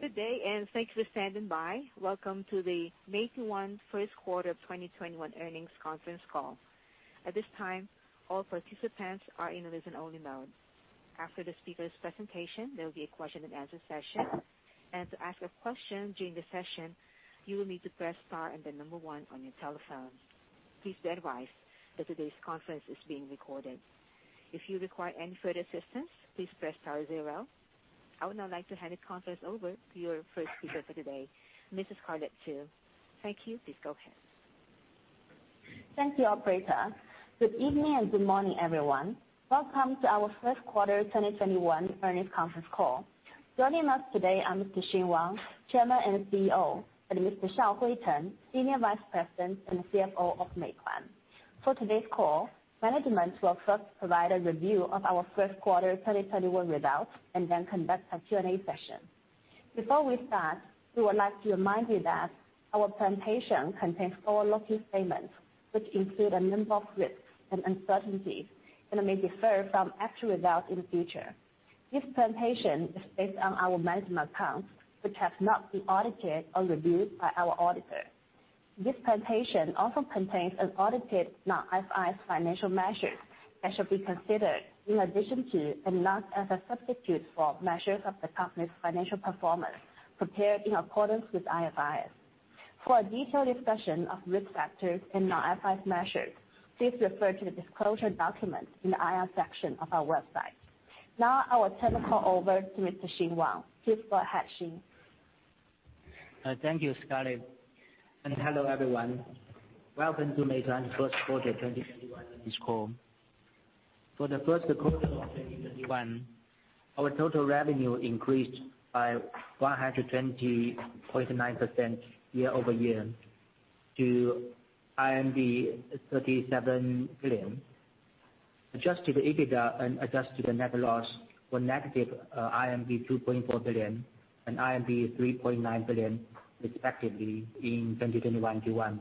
Good day. Thanks for standing by. Welcome to the Meituan First Quarter 2021 Earnings Conference Call. At this time, all participants are in a listen-only mode. After the speaker's presentation, there'll be a question and answer session. To ask a question during the session, you will need to press star and then number one on your telephones. Please be advised that today's conference is being recorded. If you require any further assistance, please press star zero. I would now like to hand the conference over to your first speaker for today, Mrs. Scarlett Xu. Thank you. Please go ahead. Thank you, operator. Good evening and good morning, everyone. Welcome to our first quarter 2021 earnings conference call. Joining us today are Mr. Wang Xing, Chairman and CEO, and Mr. Shaohui Chen, Senior Vice President and CFO of Meituan. For today's call, management will first provide a review of our first quarter 2021 results and then conduct a Q&A session. Before we start, we would like to remind you that our presentation contains forward-looking statements, which include a number of risks and uncertainties that may differ from actual results in the future. This presentation is based on our management accounts, which have not been audited or reviewed by our auditor. This presentation also contains unaudited non-IFRS financial measures that should be considered in addition to and not as a substitute for measures of the company's financial performance prepared in accordance with IFRS. For a detailed discussion of risk factors and non-IFRS measures, please refer to the disclosure document in the IR section of our website. I will turn the call over to Mr. Wang Xing. Please go ahead, Xing. Thank you, Scarlett, and hello everyone. Welcome to Meituan's first quarter 2021 earnings call. For the first quarter of 2021, our total revenue increased by 120.9% year-over-year to 37 billion. Adjusted EBITDA and adjusted net loss were negative 2.4 billion and 3.9 billion respectively in 2021 Q1.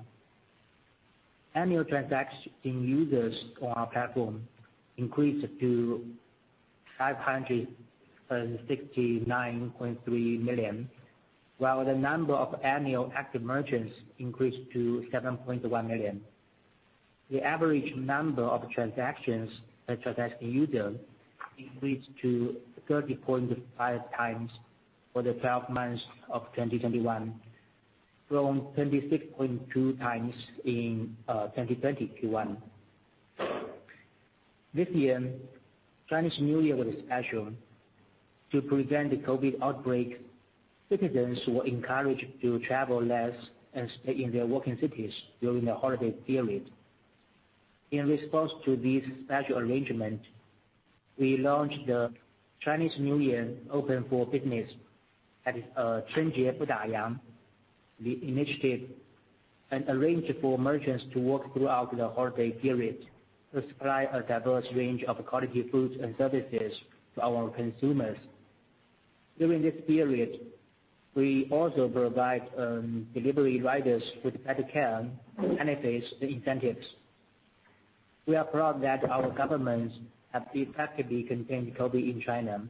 Annual transacting users on our platform increased to 569.3 million, while the number of annual active merchants increased to 7.1 million. The average number of transactions per transacting user increased to 30.5 times for the 12 months of 2021 from 26.2 times in 2020 Q1. This year, Chinese New Year was special. To prevent the COVID outbreak, citizens were encouraged to travel less and stay in their working cities during the holiday period. In response to this special arrangement, we launched the Chinese New Year Open for Business, Chunjie Budayang, the initiative, arranged for merchants to work throughout the holiday period to supply a diverse range of quality foods and services to our consumers. During this period, we also provide delivery riders with better care and benefits and incentives. We are proud that our governments have effectively contained COVID in China,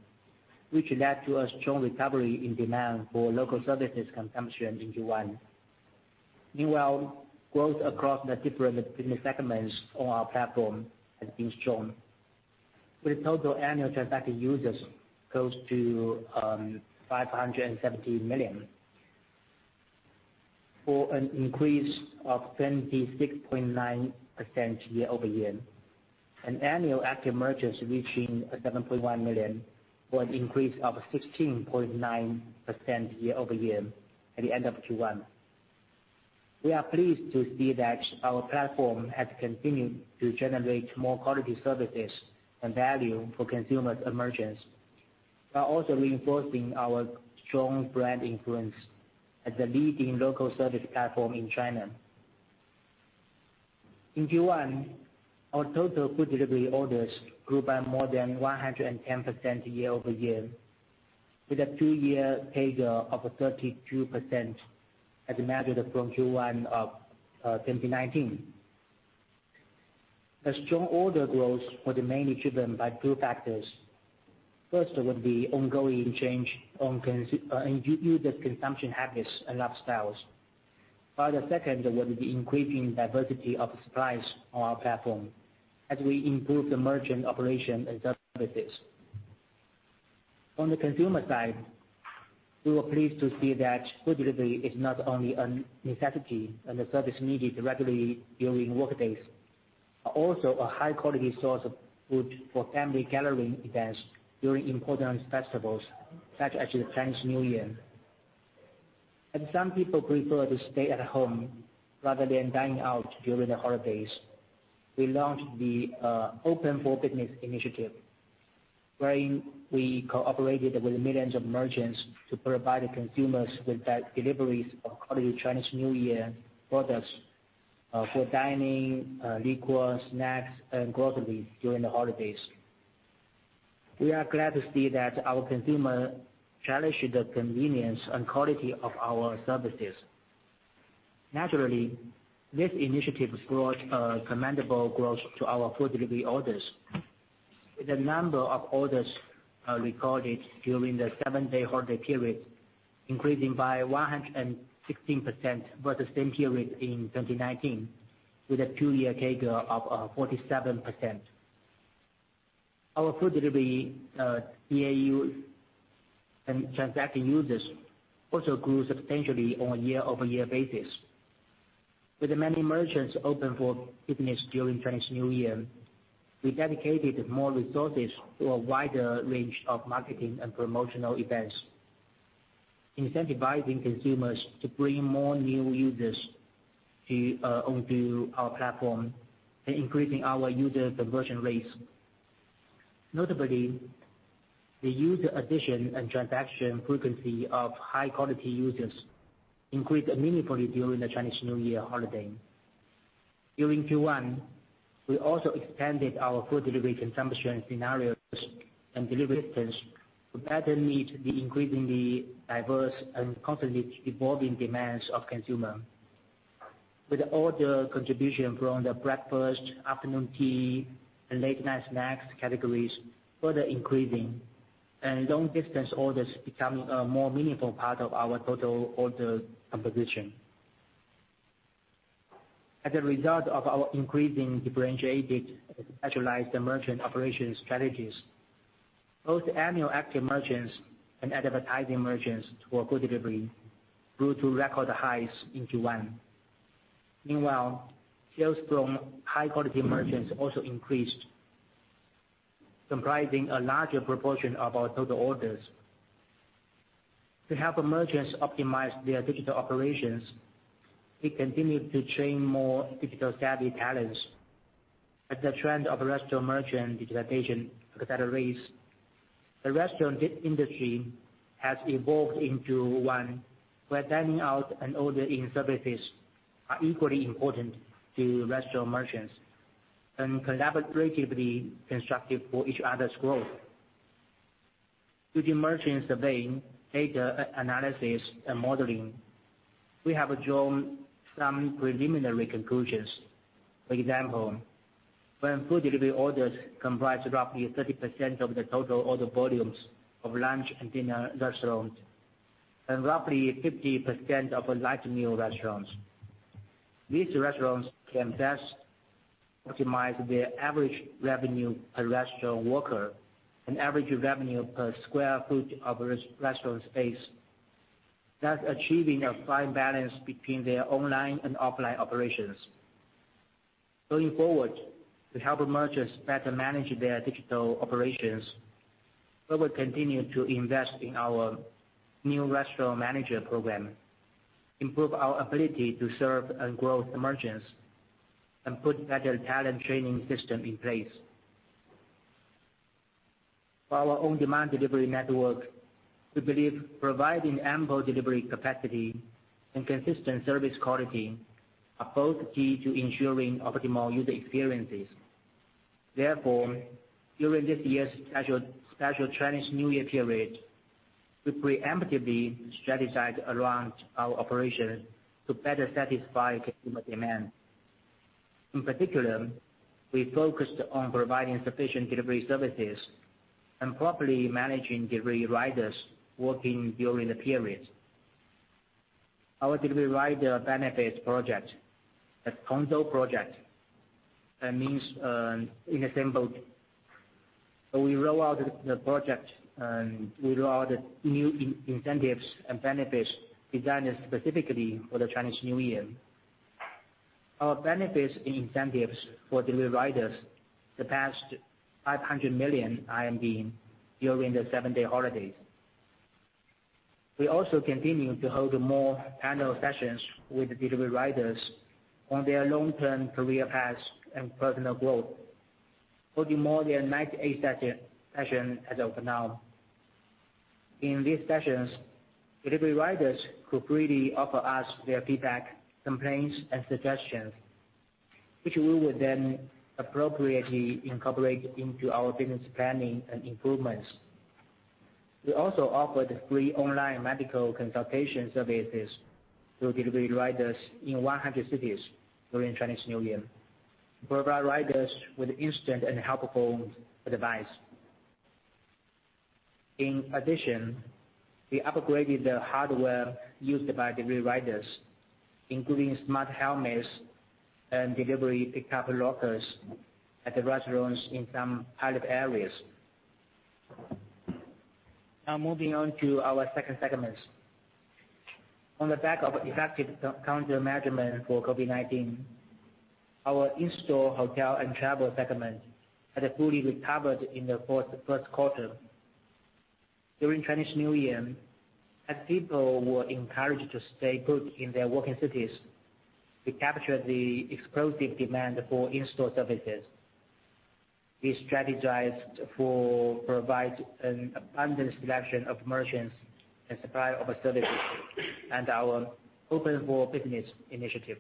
which led to a strong recovery in demand for local services consumption in Q1. Growth across the different business segments on our platform has been strong, with total annual transacting users close to 570 million, for an increase of 76.9% year-over-year. Annual active merchants reaching 7.1 million, for an increase of 16.9% year-over-year at the end of Q1. We are pleased to see that our platform has continued to generate more quality services and value for consumers and merchants, while also reinforcing our strong brand influence as a leading local service platform in China. In Q1, our total food delivery orders grew by more than 110% year-over-year, with a three-year CAGR of 32% as measured from Q1 of 2019. The strong order growth was mainly driven by two factors. First would be ongoing change in user consumption habits and lifestyles. While the second would be increasing diversity of supplies on our platform as we improve the merchant operation and services. On the consumer side, we were pleased to see that food delivery is not only a necessity and a service needed regularly during workdays, but also a high-quality source of food for family gathering events during important festivals such as the Chinese New Year. As some people prefer to stay at home rather than dine out during the holidays, we launched the Open for Business initiative, where we cooperated with millions of merchants to provide consumers with deliveries of quality Chinese New Year products for dining, liquor, snacks, and groceries during the holidays. We are glad to see that our consumers cherish the convenience and quality of our services. Naturally, this initiative brought commendable growth to our food delivery orders. The number of orders recorded during the seven-day holiday period increased by 116% versus the same period in 2019, with a two-year CAGR of 47%. Our food delivery DAU and transaction users also grew substantially on a year-over-year basis. With many merchants open for business during Chinese New Year, we dedicated more resources to a wider range of marketing and promotional events, incentivizing consumers to bring more new users onto our platform and increasing our user conversion rates. Notably, the user addition and transaction frequency of high-quality users increased meaningfully during the Chinese New Year holiday. During Q1, we also expanded our food delivery consumption scenarios and delivery distance to better meet the increasingly diverse and constantly evolving demands of consumers, with order contribution from the breakfast, afternoon tea, and late-night snacks categories further increasing and long-distance orders becoming a more meaningful part of our total order composition. As a result of our increasing differentiated and specialized merchant operation strategies, both annual active merchants and advertised merchants for food delivery grew to record highs in Q1. Meanwhile, sales from high-quality merchants also increased, comprising a larger proportion of our total orders. To help merchants optimize their digital operations, we continued to train more digital-savvy talents as the trend of restaurant merchant digitization accelerates. The restaurant industry has evolved into one where dining out and ordering-in services are equally important to restaurant merchants and collaboratively constructive for each other's growth. With merchant surveying, data analysis, and modeling, we have drawn some preliminary conclusions. For example, when food delivery orders comprise roughly 30% of the total order volumes of lunch and dinner restaurants and roughly 50% of light meal restaurants. These restaurants can best optimize their average revenue per restaurant worker and average revenue per square foot of restaurant space, thus achieving a fine balance between their online and offline operations. Going forward, to help merchants better manage their digital operations, we will continue to invest in our new restaurant manager program, improve our ability to serve and grow merchants, and put better talent training systems in place. For our on-demand delivery network, we believe providing ample delivery capacity and consistent service quality are both key to ensuring optimal user experiences. Therefore, during this year's special Chinese New Year period, we preemptively strategized around our operation to better satisfy customer demand. In particular, we focused on providing sufficient delivery services and properly managing delivery riders working during the period. Our delivery rider benefits project, the Tongzhou Project, that means 'in the same boat.' We rolled out the project, and we rolled out new incentives and benefits designed specifically for the Chinese New Year. Our benefits and incentives for delivery riders surpassed RMB 500 million during the seven-day holiday. We also continued to hold more annual sessions with delivery riders on their long-term career paths and personal growth, holding more than 98 sessions as of now. In these sessions, delivery riders could freely offer us their feedback, complaints, and suggestions, which we would then appropriately incorporate into our business planning and improvements. We also offered free online medical consultation services to delivery riders in 100 cities during Chinese New Year to provide riders with instant and helpful advice. In addition, we upgraded the hardware used by delivery riders, including smart helmets and delivery pickup lockers at restaurants in some pilot areas. Now moving on to our second segment. On the back of effective countermeasure management for COVID-19, our in-store, hotel, and travel segment had fully recovered in the fourth quarter. During Chinese New Year, as people were encouraged to stay put in their working cities, we captured the explosive demand for in-store services. We strategized to provide an abundant selection of merchants and supplier facilities and our Open for Business initiative.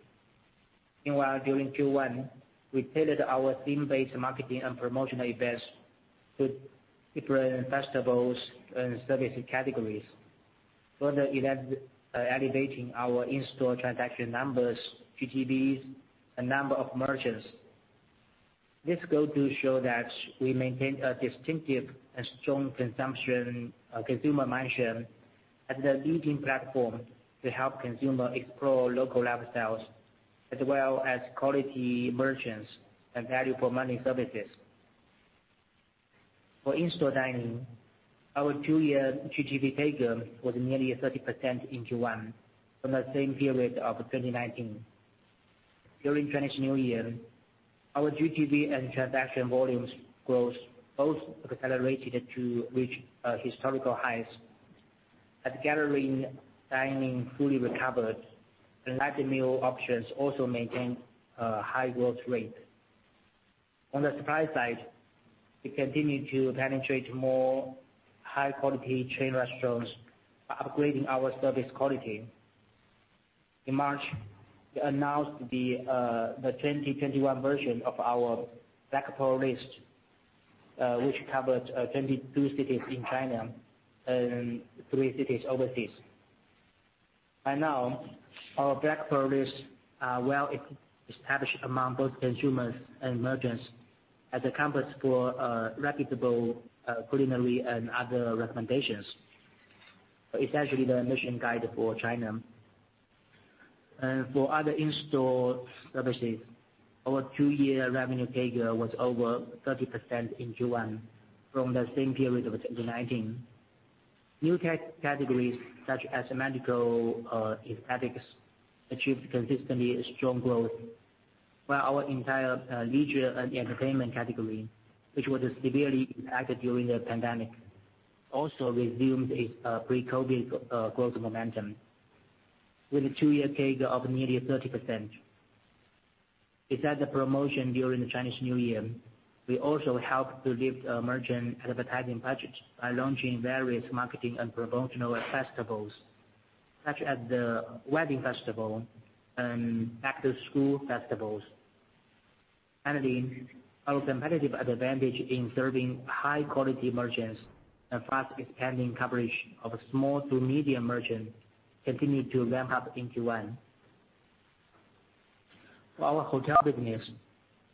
Meanwhile, during Q1, we pitted our team-based marketing and promotional events to different festivals and service categories. Further elevating our in-store transaction numbers, GTVs, and number of merchants. This goes to show that we maintain a distinctive and strong consumer mindshare as a leading platform to help consumer explore local lifestyles, as well as quality merchants and value for money services. For in-store dining, our two-year GTV take-up was nearly 30% in Q1 from the same period of 2019. During Chinese New Year, our GTV and transaction volumes growth both accelerated to reach historical highs. As gathering dining fully recovered, the light meal options also maintained a high growth rate. On the supply side, we continue to penetrate more high-quality chain restaurants by upgrading our service quality. In March, we announced the 2021 version of our Black Pearl list, which covered 22 cities in China and three cities overseas. By now, our Black Pearl is well-established among both consumers and merchants as a compass for reputable culinary and other recommendations. Essentially the Michelin Guide for China. For other in-store services, our two-year revenue take-up was over 30% in Q1 from the same period of 2019. New tech categories such as medical aesthetics achieved consistently strong growth, while our entire leisure and entertainment category, which was severely impacted during the pandemic, also resumed its pre-COVID growth momentum with a two-year take-up of nearly 30%. Besides the promotion during the Chinese New Year, we also helped to give merchants advertising budgets by launching various marketing and promotional festivals such as the Wedding Festival and Back to School festivals. Currently, our competitive advantage in serving high-quality merchants and fast-expanding coverage of small to medium merchants continued to ramp up in Q1. For our hotel business,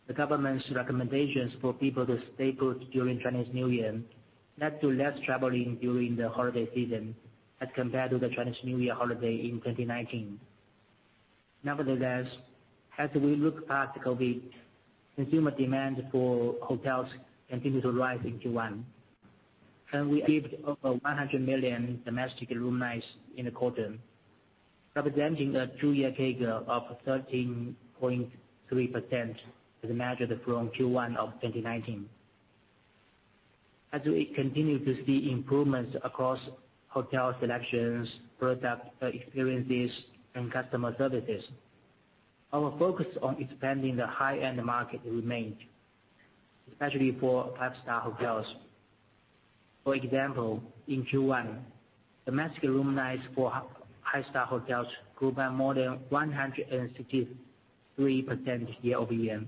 the government's recommendations for people to stay put during Chinese New Year led to less traveling during the holiday season as compared to the Chinese New Year holiday in 2019. Nevertheless, as we look past COVID, consumer demand for hotels continued to rise in Q1, and we achieved over 100 million domestic room nights in the quarter, representing a two-year take-up of 13.3% as measured from Q1 of 2019. As we continue to see improvements across hotel selections, product experiences, and customer services, our focus on expanding the high-end market remained, especially for five-star hotels. For example, in Q1, domestic room nights for five-star hotels grew by more than 163% year-over-year,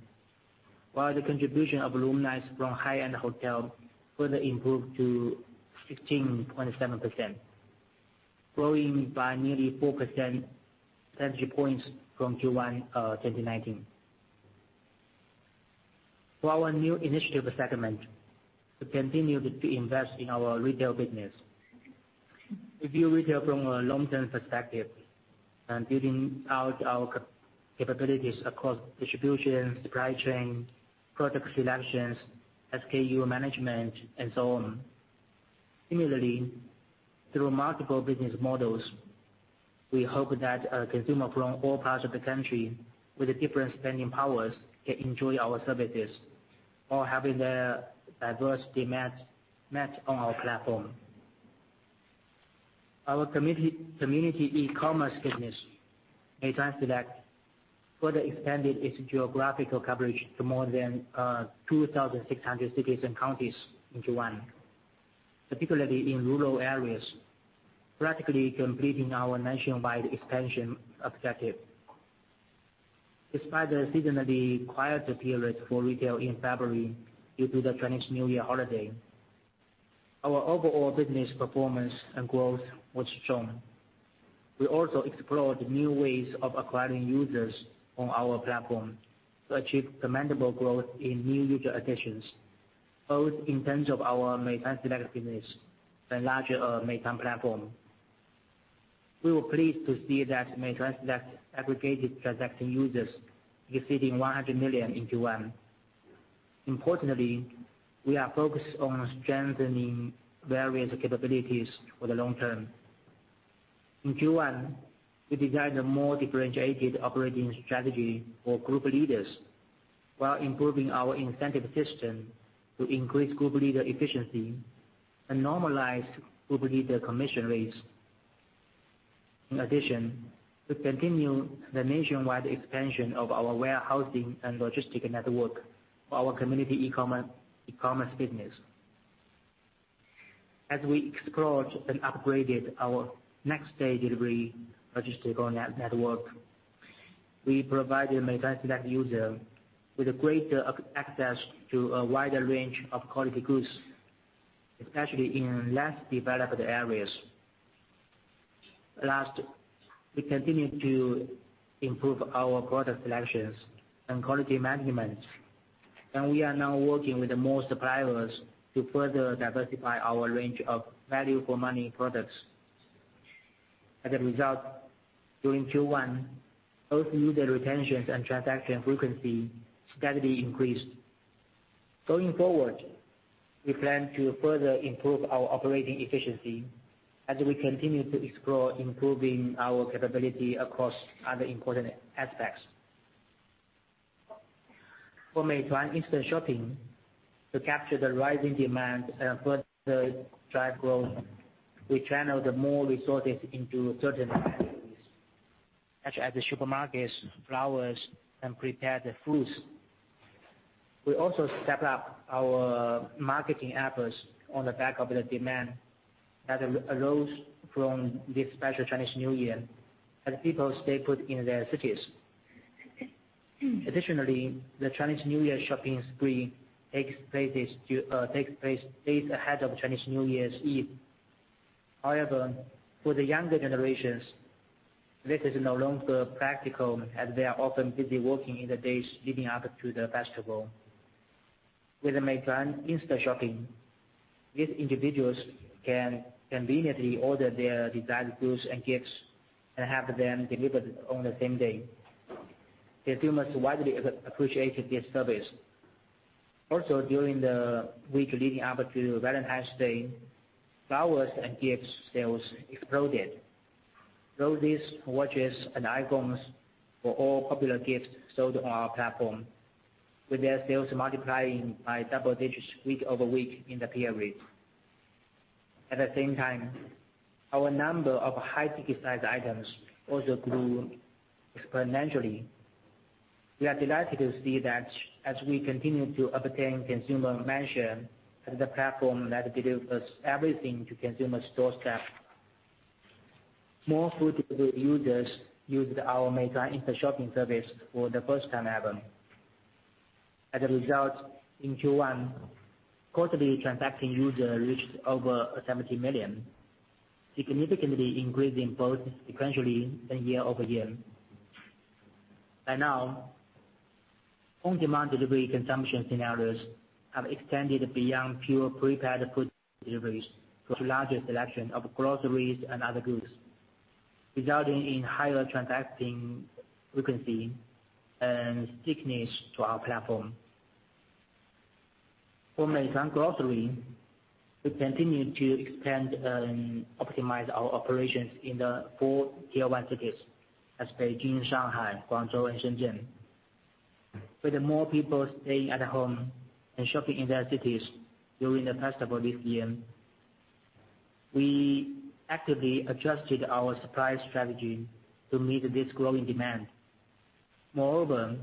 while the contribution of room nights from high-end hotels further improved to 15.7%, growing by nearly 4 percentage points from Q1 2019. For our new initiative segment, we continue to invest in our retail business. We view retail from a long-term perspective and building out our capabilities across distribution, supply chain, product selections, SKU management and so on. Similarly, through multiple business models, we hope that our consumer from all parts of the country with different spending powers can enjoy our services while having their diversity met on our platform. Our community e-commerce business, Meituan Select, further expanded its geographical coverage to more than 2,600 cities and counties in Q1, particularly in rural areas, practically completing our nationwide expansion objective. Despite the seasonally quiet period for retail in February due to the Chinese New Year holiday, our overall business performance and growth was strong. We also explored new ways of acquiring users on our platform to achieve commendable growth in new user acquisitions, both in terms of our Meituan Select business and larger Meituan platform. We were pleased to see that Meituan Select aggregated transaction users exceeding 100 million in Q1. Importantly, we are focused on strengthening various capabilities for the long term. In Q1, we designed a more differentiated operating strategy for group leaders while improving our incentive system to increase group leader efficiency and normalize group leader commission rates. In addition, we continue the nationwide expansion of our warehousing and logistics network for our community e-commerce business. As we explored and upgraded our next day delivery logistics network, we provided Meituan user with greater access to a wider range of quality goods, especially in less developed areas. Last, we continue to improve our product selections and quality management, and we are now working with more suppliers to further diversify our range of value-for-money products. As a result, during Q1, both user retentions and transaction frequency steadily increased. Going forward, we plan to further improve our operating efficiency as we continue to explore improving our capability across other important aspects. For Meituan Shangou, to capture the rising demand and further drive growth, we channel more resources into certain categories, such as supermarkets, flowers, and prepared foods. We also step up our marketing efforts on the back of the demand that arose from the special Chinese New Year, as people stayed put in their cities. Additionally, the Chinese New Year shopping spree takes place days ahead of Chinese New Year's Eve. However, for the younger generations, this is no longer practical, as they are often busy working in the days leading up to the festival. With the Meituan Shangou, these individuals can conveniently order their desired goods and gifts and have them delivered on the same day. Consumers widely appreciate this service. Also, during the week leading up to Valentine's Day, flowers and gifts sales exploded. Roses, watches, and iPhones were all popular gifts sold on our platform, with their sales multiplying by double digits week-over-week in the period. At the same time, our number of high ticket items also grew exponentially. We are delighted to see that as we continue to obtain consumer measure as the platform that delivers everything to consumer store steps. More food users used our Meituan Instashopping service for the first time ever. As a result, in Q1, quarterly transacting users reached over 70 million, significantly increasing both sequentially and year-over-year. By now, on-demand delivery consumption scenarios have extended beyond pure prepared food deliveries to a larger selection of groceries and other goods, resulting in higher transacting frequency and stickiness to our platform. For Meituan Grocery, we continue to expand and optimize our operations in the four tier 1 cities as Beijing, Shanghai, Guangzhou, and Shenzhen. With more people staying at home and shopping in their cities during the festival this year, we actively adjusted our supply strategy to meet this growing demand. Moreover,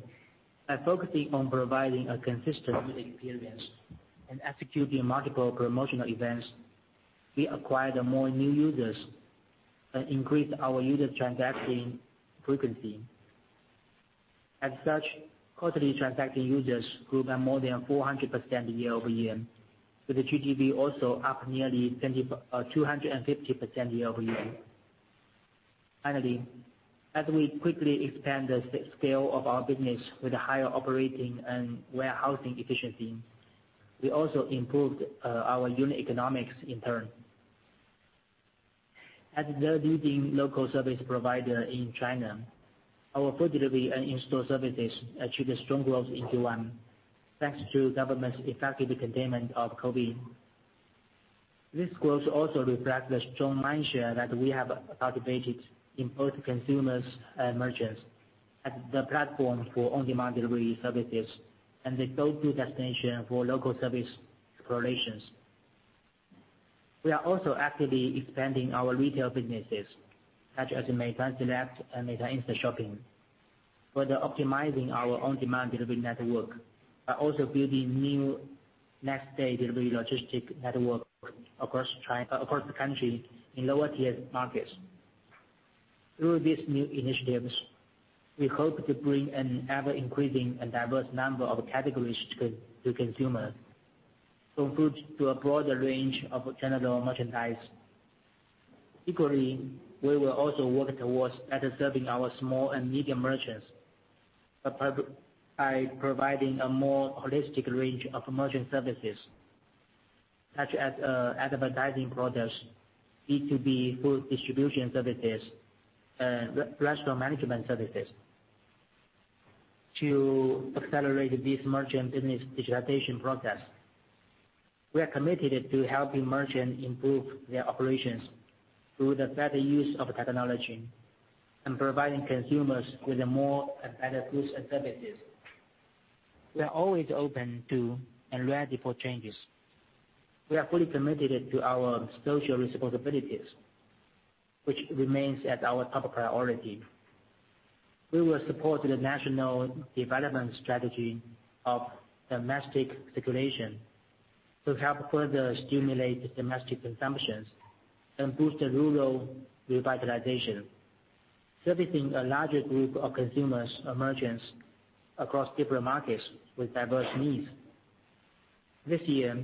by focusing on providing a consistent experience and executing multiple promotional events, we acquired more new users and increased our user transacting frequency. As such, quarterly transacting users grew by more than 400% year-over-year, with the GTV also up nearly 250% year-over-year. Finally, as we quickly expand the scale of our business with higher operating and warehousing efficiency, we also improved our unit economics in turn. As the leading local service provider in China, our food delivery and in-store services achieved strong growth in Q1, thanks to government's effective containment of COVID. This growth also reflects the strong mindshare that we have cultivated in both consumers and merchants as the platform for on-demand delivery services and the go-to destination for local service explorations. We are also actively expanding our retail businesses such as Meituan Shangou and Meituan Instant Shopping. Further optimizing our on-demand delivery network by also building new next day delivery logistic network across the country in lower tier markets. Through these new initiatives, we hope to bring an ever-increasing and diverse number of categories to consumers, from food to a broader range of general merchandise. We will also work towards better serving our small and medium merchants by providing a more holistic range of merchant services such as advertising products, B2B food distribution services, and restaurant management services to accelerate this merchant business digitization progress. We are committed to helping merchants improve their operations through the better use of technology and providing consumers with more and better goods and services. We are always open to and ready for changes. We are fully committed to our social responsibilities, which remains as our top priority. We will support the national development strategy of domestic circulation to help further stimulate domestic consumption and boost rural revitalization, servicing a larger group of consumers and merchants across different markets with diverse needs. This year,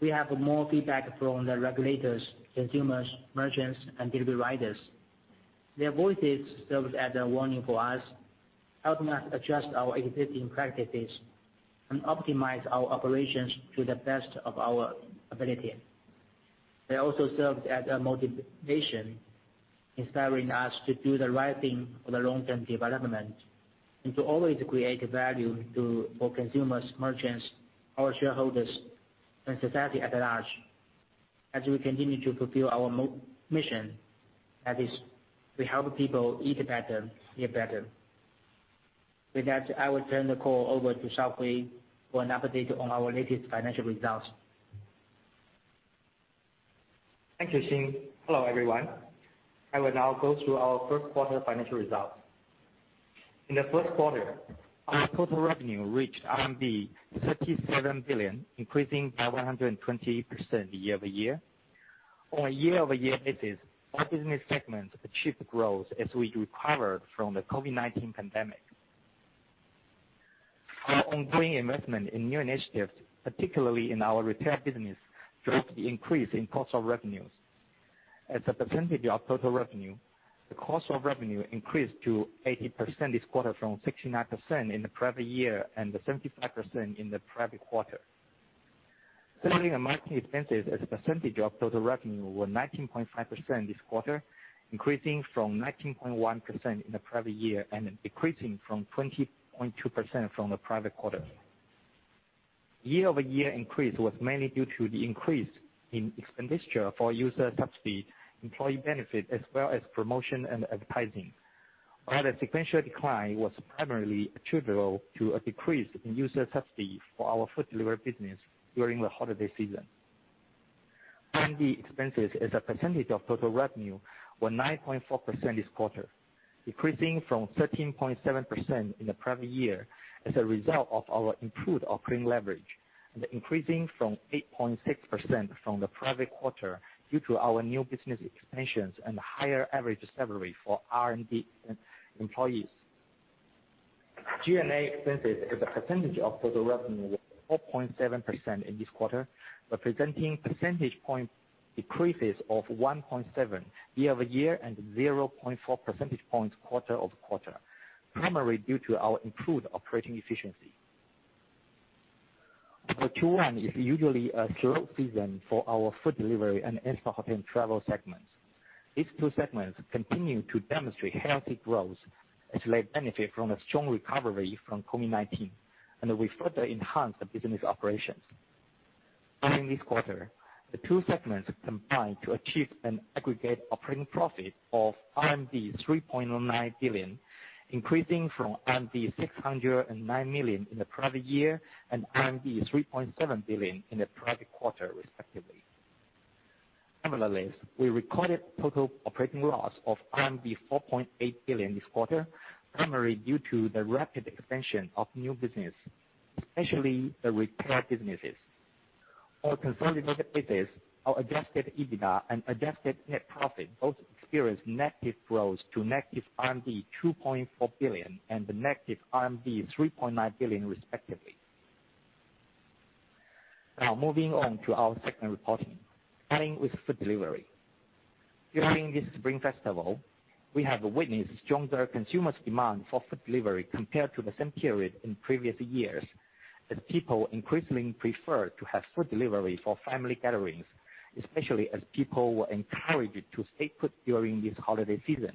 we have more feedback from the regulators, consumers, merchants, and delivery riders. Their voices served as a warning for us, helping us adjust our existing practices and optimize our operations to the best of our ability. They also served as motivation, inspiring us to do the right thing for the long-term development and to always create value for consumers, merchants, our shareholders, and society at large, as we continue to fulfill our mission. That is to help people eat better, live better. With that, I will turn the call over to Shaohui for an update on our latest financial results. Thank you, Xing. Hello, everyone. I will now go through our first quarter financial results. In the first quarter, our total revenue reached RMB 37 billion, increasing by 128% year-over-year. On a year-over-year basis, all business segments achieved growth as we recovered from the COVID-19 pandemic. Our ongoing investment in new initiatives, particularly in our retail business, drove the increase in cost of revenues. As a percentage of total revenue, the cost of revenue increased to 80% this quarter from 69% in the prior year and the 75% in the prior quarter. Selling and marketing expenses as a percentage of total revenue were 19.5% this quarter, increasing from 19.1% in the prior year and decreasing from 20.2% from the prior quarter. Year-over-year increase was mainly due to the increase in expenditure for user subsidy, employee benefit, as well as promotion and advertising, while the sequential decline was primarily attributable to a decrease in user subsidy for our food delivery business during the holiday season. R&D expenses as a percentage of total revenue were 9.4% this quarter, decreasing from 13.7% in the prior year as a result of our improved operating leverage and increasing from 8.6% from the prior quarter due to our new business expansions and higher average salary for R&D employees. G&A expenses as a percentage of total revenue was 4.7% in this quarter, representing percentage points decreases of 1.7 year-over-year and 0.4 percentage points quarter-over-quarter, primarily due to our improved operating efficiency. The Q1 is usually a slow season for our food delivery and instant hotel and travel segments. These two segments continue to demonstrate healthy growth as they benefit from a strong recovery from COVID-19 and we further enhanced the business operations. During this quarter, the two segments combined to achieve an aggregate operating profit of 3.19 billion, increasing from 609 million in the prior year and 3.7 billion in the prior quarter, respectively. Similarly, we recorded total operating loss of RMB 4.8 billion this quarter, primarily due to the rapid expansion of new business, especially the retail businesses. On a consolidated basis, our adjusted EBITDA and adjusted net profit both experienced negative growth to negative RMB 2.4 billion and the negative RMB 3.9 billion, respectively. Now moving on to our segment reporting, starting with food delivery. During this Spring Festival, we have witnessed stronger consumers demand for food delivery compared to the same period in previous years, as people increasingly prefer to have food delivery for family gatherings, especially as people were encouraged to stay put during this holiday season.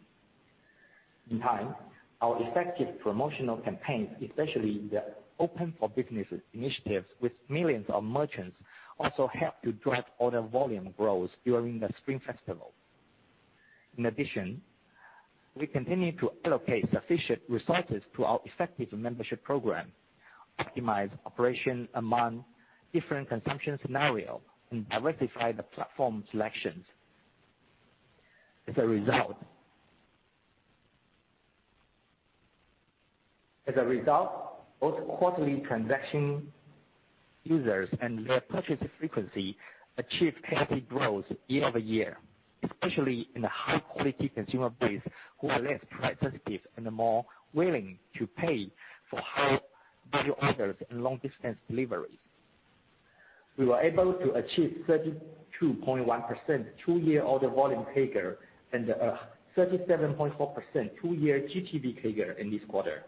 In time, our effective promotional campaigns, especially the Open for Businesses initiatives with millions of merchants, also helped to drive order volume growth during the Spring Festival. In addition, we continue to allocate sufficient resources to our effective membership program, optimize operations among different consumption scenarios, and diversify the platform selections. As a result, both quarterly transaction users and their purchase frequency achieved healthy growth year-over-year, especially in the high-quality consumer base, who are less price sensitive and more willing to pay for higher value orders and long-distance delivery. We were able to achieve 32.1% two-year order volume CAGR and a 37.4% two-year GTV CAGR in this quarter.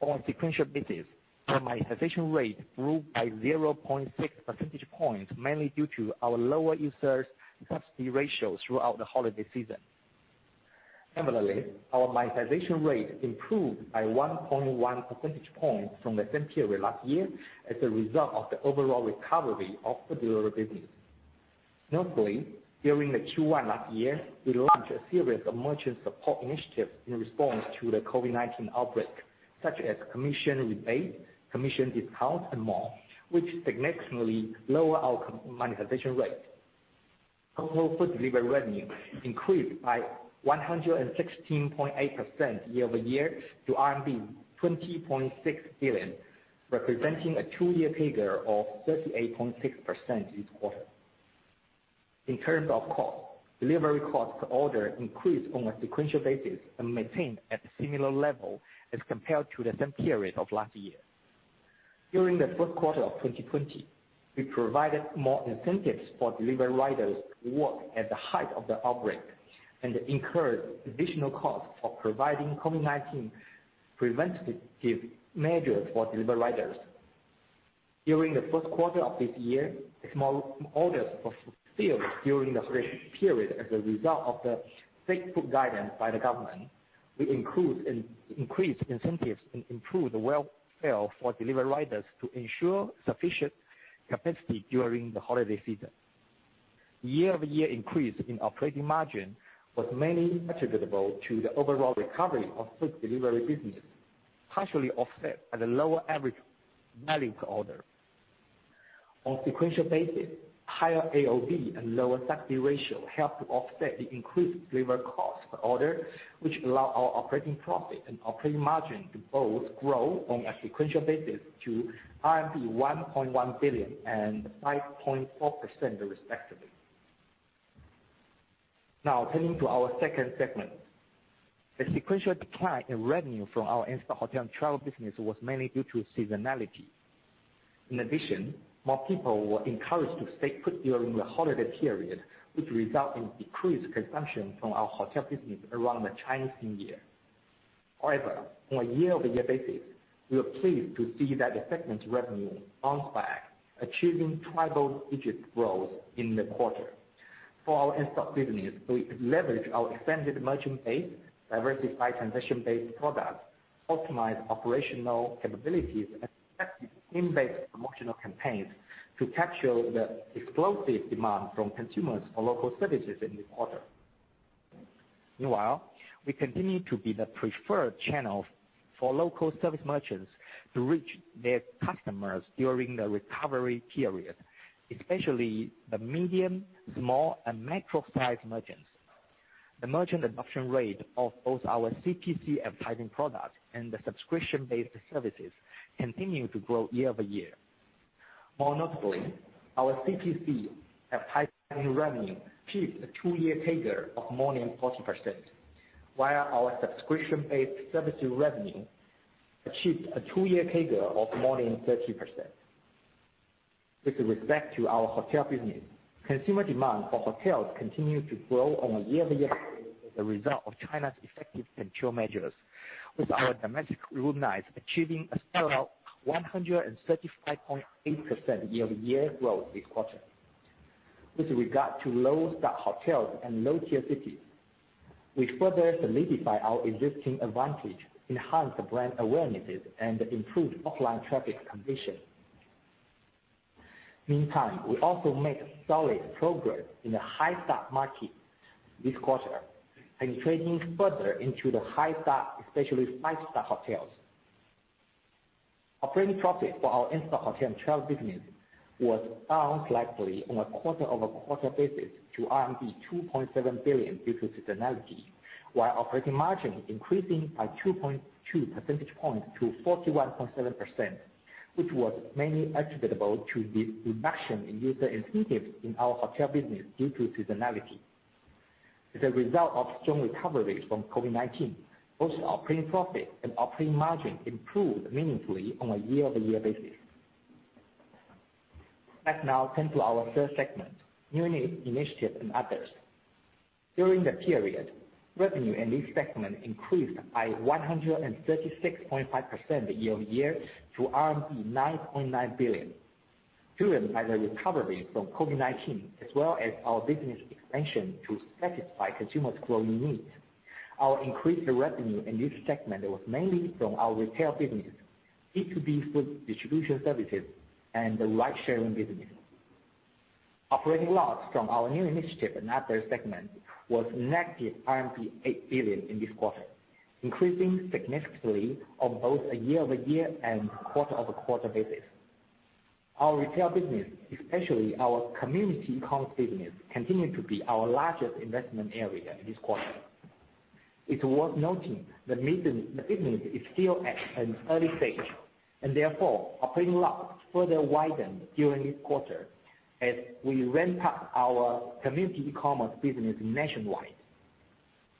On sequential basis, our monetization rate grew by 0.6 percentage points, mainly due to our lower user subsidy ratio throughout the holiday season. Similarly, our monetization rate improved by 1.1 percentage points from the same period last year as a result of the overall recovery of the delivery business. Notably, during the Q1 last year, we launched a series of merchant support initiatives in response to the COVID-19 outbreak, such as commission rebate, commission discounts, and more, which significantly lower our monetization rate. Total food delivery revenue increased by 116.8% year-over-year to RMB 20.6 billion, representing a two-year CAGR of 38.6% this quarter. In terms of cost, delivery cost per order increased on a sequential basis and maintained at a similar level as compared to the same period of last year. During the fourth quarter of 2020, we provided more incentives for delivery riders to work at the height of the outbreak and incurred additional costs for providing COVID-19 preventative measures for delivery riders. During the first quarter of this year, as more orders were fulfilled during the peak period as a result of the stay-put guidance by the government, we increased incentives and improved welfare for delivery riders to ensure sufficient capacity during the holiday season. The year-over-year increase in operating margin was mainly attributable to the overall recovery of food delivery business, partially offset by the lower average revenue per order. On sequential basis, higher AOV and lower subsidy ratio helped to offset the increased delivery cost per order, which allowed our operating profit and operating margin to both grow on a sequential basis to RMB 1.1 billion and 5.4%, respectively. Now, turning to our second segment. The sequential decline in revenue from our insta-hotel and travel business was mainly due to seasonality. In addition, more people were encouraged to stay put during the holiday period, which resulted in decreased consumption from our hotel business around the Chinese New Year. However, on a year-over-year basis, we are pleased to see that the segment's revenue bounced back, achieving triple-digit growth in the quarter. For our hotel business, we leveraged our expanded merchant base, diversified commission-based products, optimized operational capabilities, and effective inbound promotional campaigns to capture the explosive demand from consumers for local services in this quarter. Meanwhile, we continue to be the preferred channel for local service merchants to reach their customers during the recovery period, especially the medium, small, and micro-sized merchants. The merchant adoption rate of both our CPC and pricing products and the subscription-based services continued to grow year-over-year. More notably, our CPC and pricing revenue achieved a two-year CAGR of more than 40%, while our subscription-based services revenue achieved a two-year CAGR of more than 30%. With respect to our hotel business, consumer demand for hotels continued to grow on a year-over-year basis as a result of China's effective control measures, with our domestic room nights achieving a stellar 135.8% year-over-year growth this quarter. With regard to low-star hotels and low-tier cities, we further solidified our existing advantage, enhanced brand awareness, and improved offline traffic acquisition. Meantime, we also made solid progress in the high-star market this quarter and penetrated further into the high-star, especially five-star hotels. Operating profit for our insta-hotel and travel business was down slightly on a quarter-over-quarter basis to RMB 2.7 billion due to seasonality, while operating margin increasing by 2.2 percentage points to 41.7%, which was mainly attributable to the reduction in user incentives in our hotel business due to seasonality. As a result of strong recovery from COVID-19, both our operating profit and operating margin improved meaningfully on a year-over-year basis. Let's now turn to our third segment, New Initiatives and Others. During the period, revenue in this segment increased by 136.5% year-over-year to 9.9 billion, driven by the recovery from COVID-19 as well as our business expansion to satisfy consumers' growing needs. Our increased revenue in this segment was mainly from our retail business, B2B food distribution services, and the ride-sharing business. Operating loss from our new initiatives and others segment was negative RMB 8 billion in this quarter, increasing significantly on both a year-over-year and quarter-over-quarter basis. Our retail business, especially our community e-commerce business, continued to be our largest investment area this quarter. It's worth noting that the business is still at an early stage, and therefore, operating loss further widened during this quarter as we ramped up our community e-commerce business nationwide.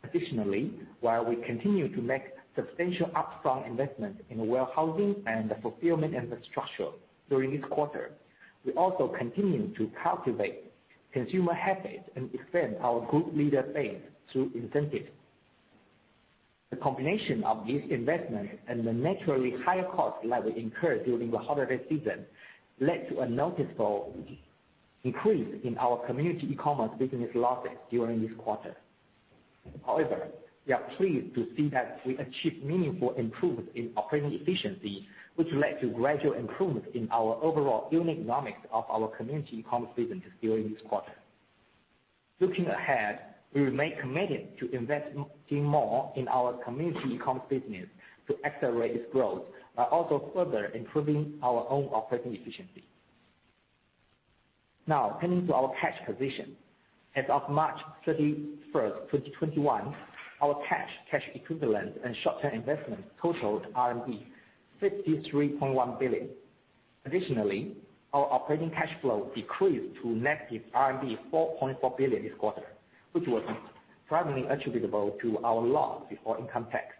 Additionally, while we continued to make substantial upfront investments in warehousing and fulfillment infrastructure during this quarter, we also continued to cultivate consumer habits and defend our good leader base through incentives. The combination of these investments and the naturally higher costs that we incurred during the holiday season led to a noticeable increase in our community e-commerce business losses during this quarter. We are pleased to see that we achieved meaningful improvements in operating efficiency, which led to gradual improvements in our overall unit economics of our community e-commerce business during this quarter. Looking ahead, we remain committed to investing more in our community e-commerce business to accelerate its growth, while also further improving our own operating efficiency. Turning to our cash position. As of March 31st, 2021, our cash equivalents, and short-term investments totaled RMB 63.1 billion. Our operating cash flow decreased to negative RMB 4.4 billion this quarter, which was primarily attributable to our loss before income tax.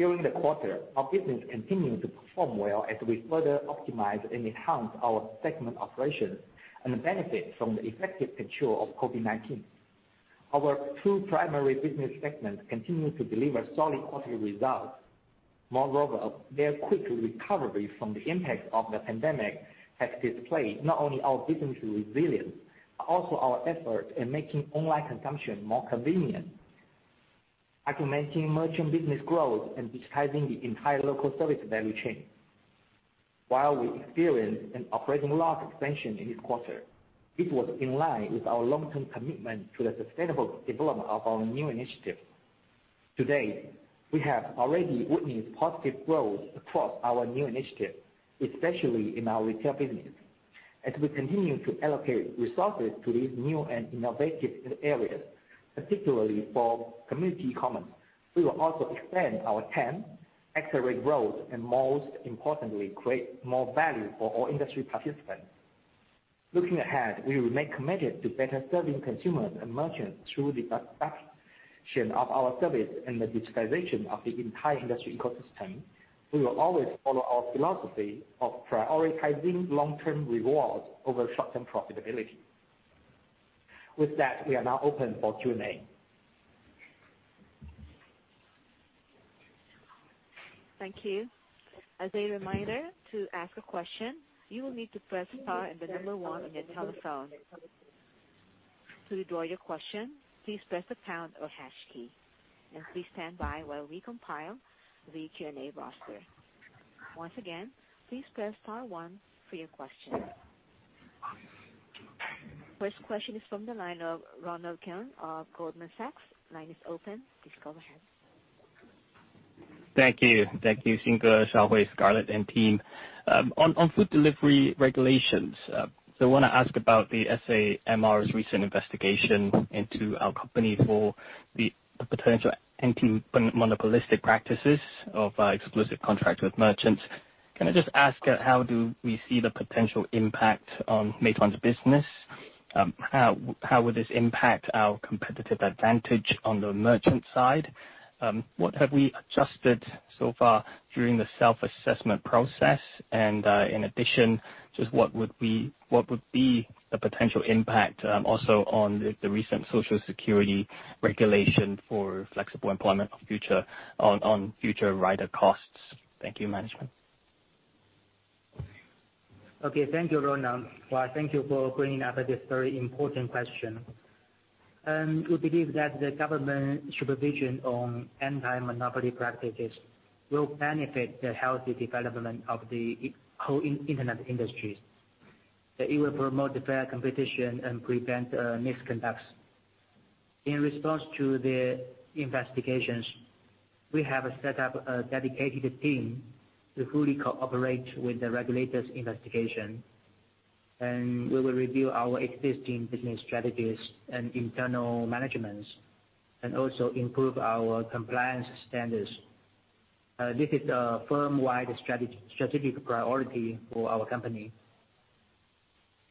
During the quarter our business continued to perform well as we further optimized and enhanced our segment operations and benefit from the effective control of COVID-19. Our two primary business segments continued to deliver solid quarterly results. Their quick recovery from the impact of the pandemic has displayed not only our business resilience, but also our effort in making online consumption more convenient, augmenting merchant business growth, and digitizing the entire local service value chain. While we experienced an operating loss expansion in this quarter, it was in line with our long-term commitment to the sustainable development of our new initiatives. Today, we have already witnessed positive growth across our new initiatives, especially in our retail business. As we continue to allocate resources to these new and innovative areas, particularly for community commerce, we will also expand our TAM, accelerate growth, and most importantly, create more value for all industry participants. Looking ahead, we remain committed to better serving consumers and merchants through the expansion of our service and the digitization of the entire industry ecosystem. We will always follow our philosophy of prioritizing long-term rewards over short-term profitability. With that, we are now open for Q&A. Thank you. As a reminder, to ask a question, you will need to press star and the number one on your telephone. To withdraw your question, please press the pound or hash key. Please stand by while we compile the Q&A roster. Once again, please press star one for your question. First question is from the line of Ronald Keung of Goldman Sachs. Line is open. Please go ahead. Thank you. Thank you, Xing Wang, Scarlett Xu, and team. On food delivery regulations, I want to ask about the SAMR's recent investigation into our company for the potential anti-monopolistic practices of our exclusive contract with merchants. Can I just ask how do we see the potential impact on Meituan's business? How will this impact our competitive advantage on the merchant side? What have we adjusted so far during the self-assessment process? In addition, just what would be the potential impact also on the recent Social Security regulation for flexible employment on future rider costs? Thank you, management. Okay. Thank you, Ronald. Thank you for bringing up this very important question. We believe that the government supervision on anti-monopoly practices will benefit the healthy development of the whole internet industry. It will promote fair competition and prevent misconduct. In response to the investigations, we have set up a dedicated team to fully cooperate with the regulators' investigation, and we will review our existing business strategies and internal management, and also improve our compliance standards. This is a firm-wide strategic priority for our company.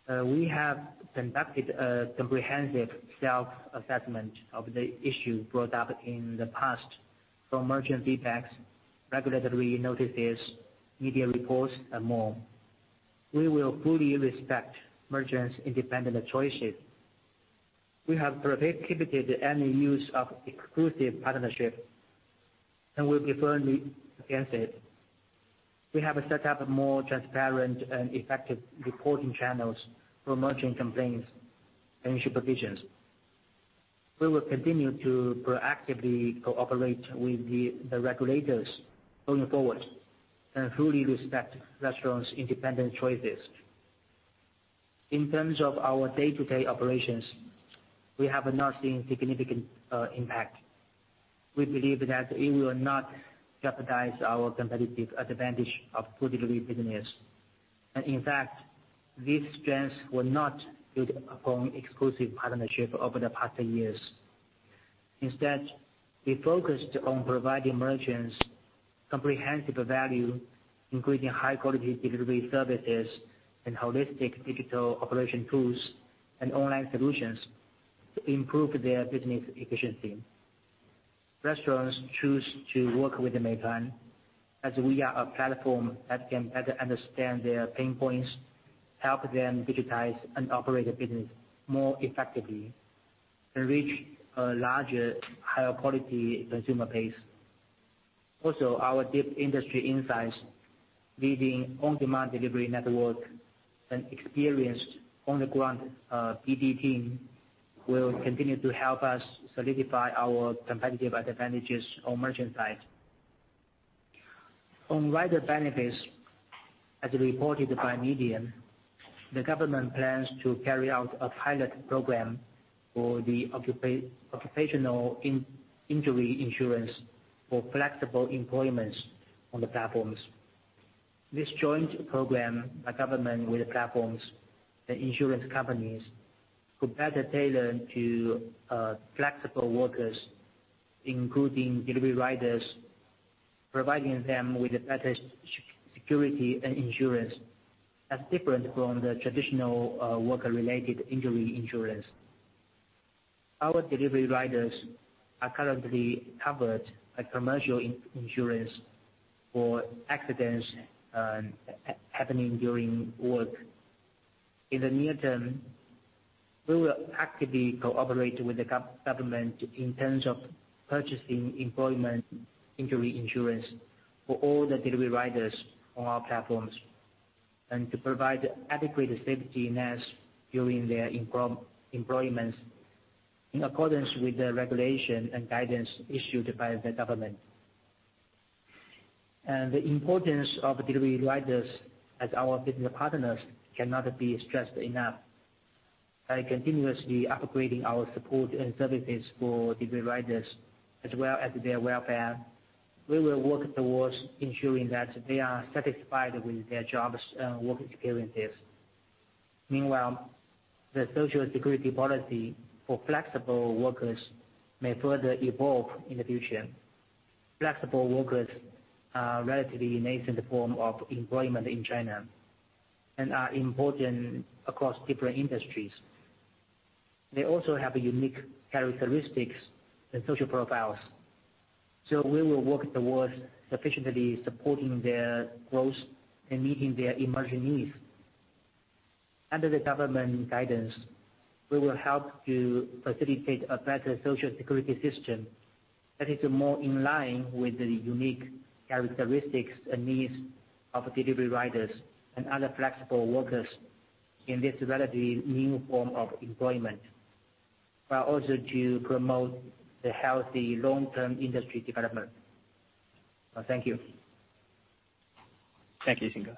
We have conducted a comprehensive self-assessment of the issue brought up in the past from merchant feedbacks, regulatory notices, media reports, and more. We will fully respect merchants' independent choices. We have prohibited any use of exclusive partnership, and we firmly are against it. We have set up more transparent and effective reporting channels for merchant complaints and supervisions. We will continue to proactively cooperate with the regulators going forward and fully respect restaurants' independent choices. In terms of our day-to-day operations, we have not seen significant impact. We believe that it will not jeopardize our competitive advantage of food delivery business. In fact, this strength was not built upon exclusive partnership over the past years. Instead, we focused on providing merchants comprehensive value, including high-quality delivery services and holistic digital operation tools and online solutions to improve their business efficiency. Restaurants choose to work with Meituan, as we are a platform that can better understand their pain points, help them digitize and operate the business more effectively, and reach a larger, higher quality consumer base. Our deep industry insights, leading on-demand delivery network, and experienced on-the-ground BD team will continue to help us solidify our competitive advantages on merchant side. On rider benefits, as reported by media, the government plans to carry out a pilot program for the occupational injury insurance. For flexible employments on the platforms. This joint program by government with the platforms and insurance companies could better tailor to flexible workers, including delivery riders, providing them with better security and insurance that's different from the traditional worker-related injury insurance. Our delivery riders are currently covered by commercial insurance for accidents happening during work. In the near term, we will actively cooperate with the government in terms of purchasing employment injury insurance for all the delivery riders on our platforms, and to provide adequate safety nets during their employments in accordance with the regulation and guidance issued by the government. The importance of delivery riders as our business partners cannot be stressed enough. By continuously upgrading our support and services for delivery riders as well as their welfare, we will work towards ensuring that they are satisfied with their jobs and work experiences. Meanwhile, the Social Security policy for flexible workers may further evolve in the future. Flexible workers are a relatively nascent form of employment in China and are important across different industries. They also have unique characteristics and social profiles. We will work towards sufficiently supporting their growth and meeting their emerging needs. Under the government guidance, we will help to facilitate a better Social Security system that is more in line with the unique characteristics and needs of delivery riders and other flexible workers in this relatively new form of employment, but also to promote the healthy long-term industry development. Thank you. Thank you, Xing Wang.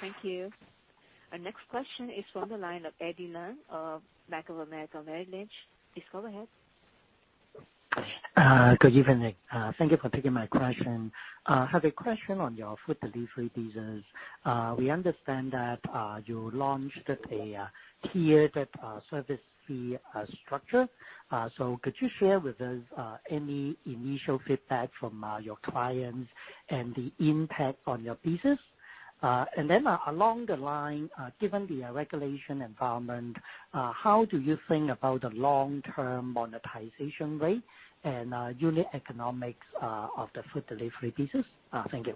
Thank you. Our next question is from the line of Eddie Wu of Macquarie Capital Ltd. Please go ahead. Good evening. Thank you for taking my question. I have a question on your food delivery business. We understand that you launched a tiered service fee structure. Could you share with us any initial feedback from your clients and the impact on your business? Then along the line given the regulation environment, how do you think about the long-term monetization rate and unit economics of the food delivery business? Thank you.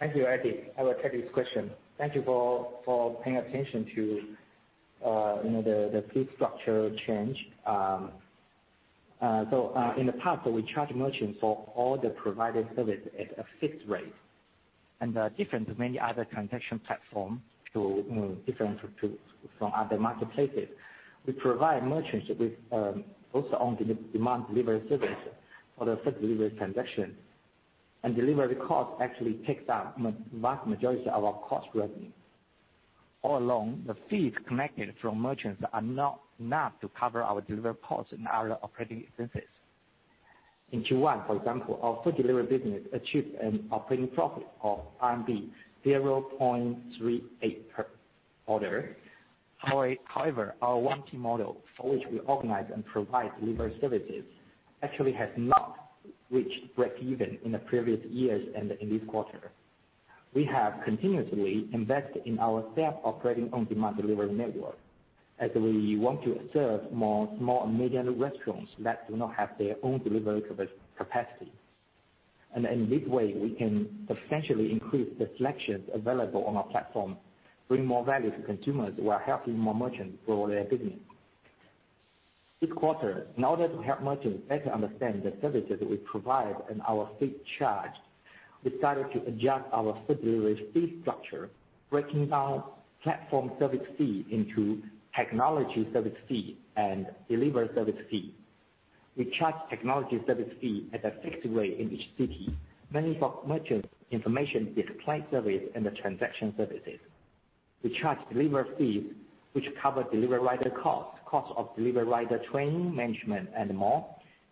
Thank you, Eddie. I will take this question. Thank you for paying attention to the fee structure change. In the past, we charged merchants for all the provided services at a fixed rate, and different from many other transaction platforms, different from other marketplaces. We provide merchants with both on-demand delivery service for the food delivery transaction. Delivery costs actually take the vast majority of our cost revenue. All along, the fees collected from merchants are not enough to cover our delivery costs and other operating expenses. In Q1, for example, our food delivery business achieved an operating profit of RMB 0.38 per order. However, our 1P model for which we organize and provide delivery services actually has not reached breakeven in the previous years and in this quarter. We have continuously invested in our staff operating on-demand delivery network as we want to serve more small and medium restaurants that do not have their own delivery capacity. In this way, we can substantially increase the selections available on our platform, bring more value to consumers while helping more merchants grow their business. This quarter, now that we help merchants better understand the services that we provide and our fee charge, we started to adjust our food delivery fee structure, breaking down platform service fee into technology service fee and delivery service fee. We charge technology service fee at a fixed rate in each city, mainly for merchants' information display service and the transaction services. We charge delivery fees, which cover delivery rider costs, cost of delivery rider training management and more,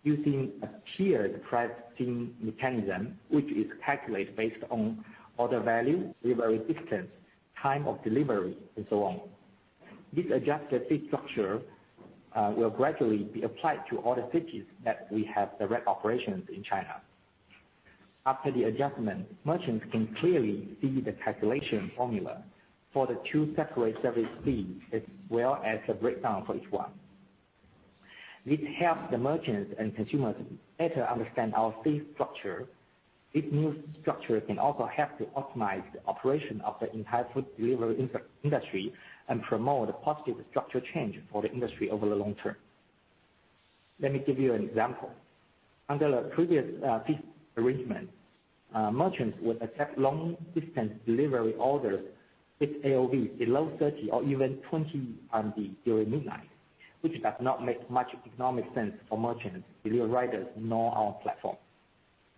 using a tiered pricing mechanism, which is calculated based on order value, delivery distance, time of delivery and so on. This adjusted fee structure will gradually be applied to all the cities that we have direct operations in China. After the adjustment, merchants can clearly see the calculation formula for the two separate service fees as well as the breakdown for each one. This helps the merchants and consumers better understand our fee structure. This new structure can also help to optimize the operation of the entire food delivery industry and promote a positive structure change for the industry over the long term. Let me give you an example. Under the previous fee arrangement merchants would accept long-distance delivery orders with AOV below 30 or even 20 RMB during midnight, which does not make much economic sense for merchants, delivery riders, nor our platform.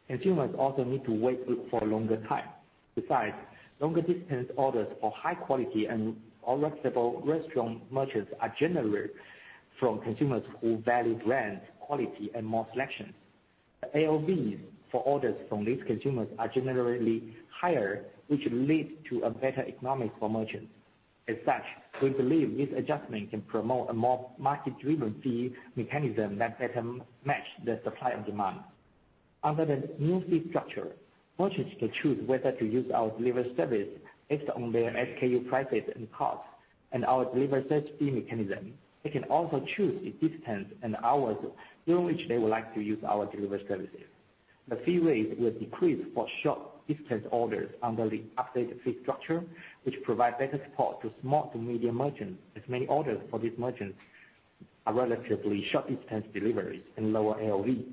Consumers also need to wait for a longer time. Besides, longer distance orders for high quality and affordable restaurant merchants are generated from consumers who value brand quality and more selection. The AOV for orders from these consumers are generally higher, which lead to a better economics for merchants. As such, we believe this adjustment can promote a more market-driven fee mechanism that better match the supply and demand. Under the new fee structure, merchants can choose whether to use our delivery service based on their SKU prices and costs, and our delivery search fee mechanism. They can also choose the distance and hours during which they would like to use our delivery services. The fee rates will decrease for short distance orders under the updated fee structure, which provide better support to small to medium merchants, as many orders for these merchants are relatively short distance deliveries and lower AOV.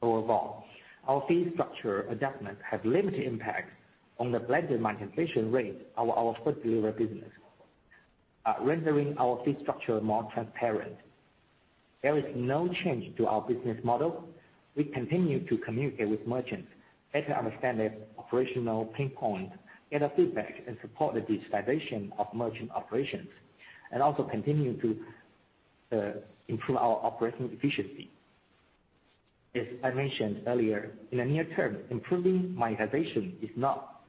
Overall, our fee structure adjustments have limited impact on the blended monetization rate of our food delivery business, rendering our fee structure more transparent. There is no change to our business model. We continue to communicate with merchants better, understand their operational pain points, get a feedback, and support the digitization of merchant operations, and also continue to improve our operating efficiency. As I mentioned earlier, in the near term, improving monetization is not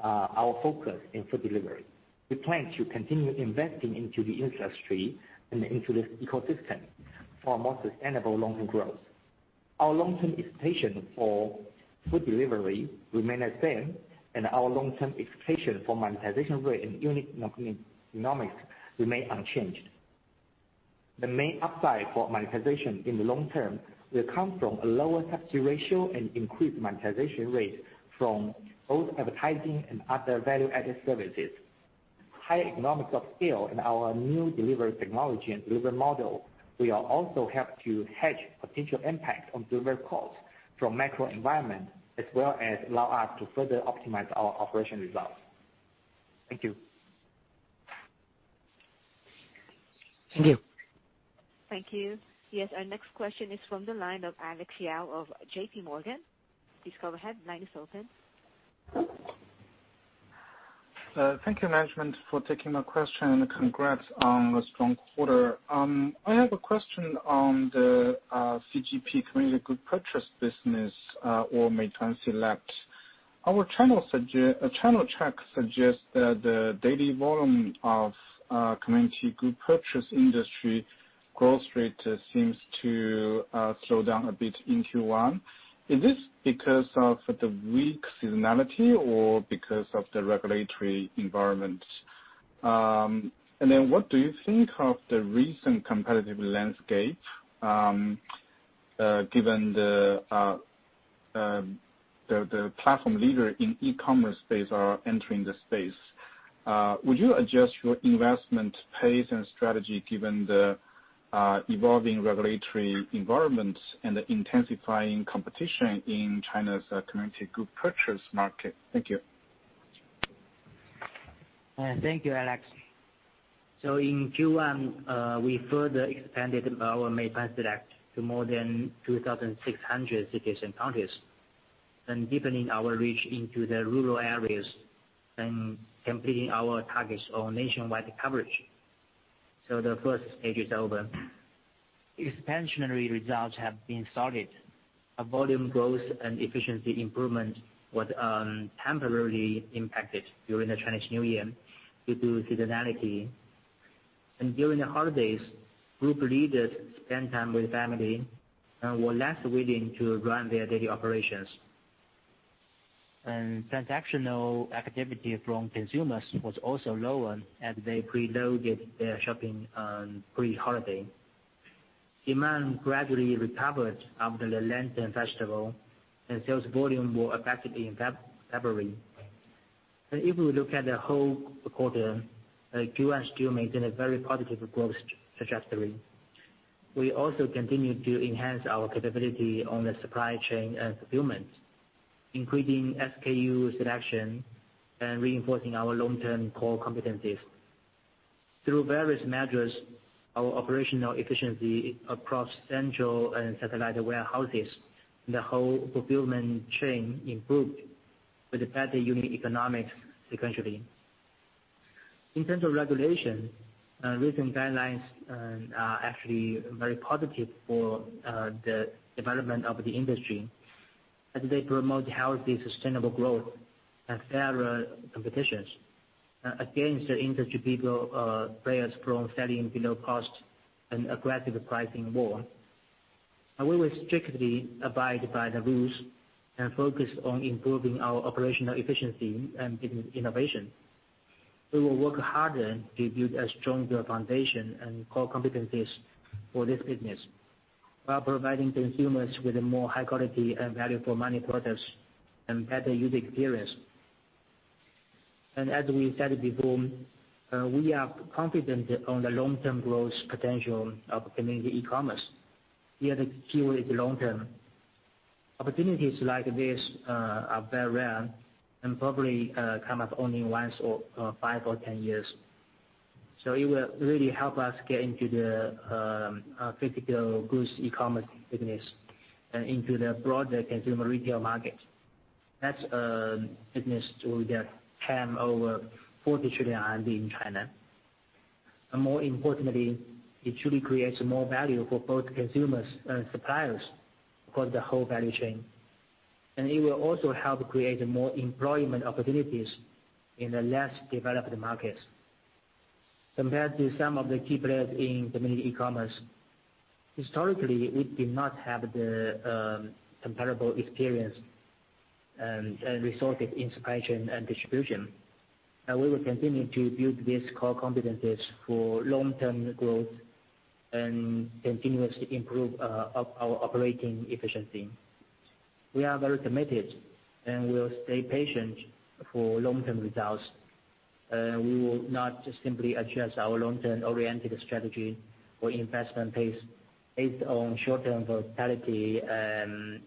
our focus in food delivery. We plan to continue investing into the industry and into this ecosystem for more sustainable long-term growth. Our long-term expectation for food delivery remain the same, and our long-term expectation for monetization rate and unit economics remain unchanged. The main upside for monetization in the long term will come from a lower subsidy ratio and increased monetization rates from both advertising and other value-added services. High economics of scale and our new delivery technology and delivery model will also help to hedge potential impacts on delivery costs from macro environment, as well as allow us to further optimize our operational results. Thank you. Thank you. Yes, our next question is from the line of Alex Yao of JP Morgan. Please go ahead. Line is open. Thank you, management, for taking my question, and congrats on the strong quarter. I have a question on the CGP, Community Group Purchase business, or Meituan Select. Our channel check suggests that the daily volume of community group purchase industry growth rate seems to slow down a bit in Q1. Is this because of the weak seasonality or because of the regulatory environment? What do you think of the recent competitive landscape, given the platform leader in e-commerce space are entering the space? Would you adjust your investment pace and strategy given the evolving regulatory environment and the intensifying competition in China's community group purchase market? Thank you. Thank you, Alex. In Q1, we further expanded our Meituan Select to more than 2,600 cities and counties, deepening our reach into the rural areas and completing our targets on nationwide coverage. The first stage is over. Expansionary results have been solid. Our volume growth and efficiency improvement was temporarily impacted during the Chinese New Year due to seasonality. During the holidays, group leaders spent time with family and were less willing to run their daily operations. Transactional activity from consumers was also lower as they preloaded their shopping pre-holiday. Demand gradually recovered after the Lantern Festival, and sales volume were affected in February. If we look at the whole quarter, Q1 still maintained a very positive growth trajectory. We also continued to enhance our capability on the supply chain and fulfillment, including SKU selection and reinforcing our long-term core competencies. Through various measures, our operational efficiency across central and satellite warehouses and the whole fulfillment chain improved for the better unit economics, sequentially. In terms of regulation, recent guidelines are actually very positive for the development of the industry, as they promote healthy, sustainable growth and fairer competition against the industry players from selling below cost and aggressive pricing war. We will strictly abide by the rules and focus on improving our operational efficiency and innovation. We will work harder to build a stronger foundation and core competencies for this business, while providing consumers with more high quality and value for money products and better user experience. As we said before, we are confident on the long-term growth potential of community e-commerce. We are the curator long-term. Opportunities like this are very rare and probably come up only once or five or 10 years. It will really help us get into the physical goods e-commerce business and into the broader consumer retail market. That's a business story that can over 40 trillion in China. More importantly, it truly creates more value for both consumers and suppliers across the whole value chain. It will also help create more employment opportunities in the less developed markets. Compared to some of the key players in community commerce, historically, it did not have the comparable experience and resources in supply chain and distribution. We will continue to build these core competencies for long-term growth and continuously improve our operating efficiency. We are very committed, and we will stay patient for long-term results. We will not just simply adjust our long-term oriented strategy or investment pace based on short-term volatility and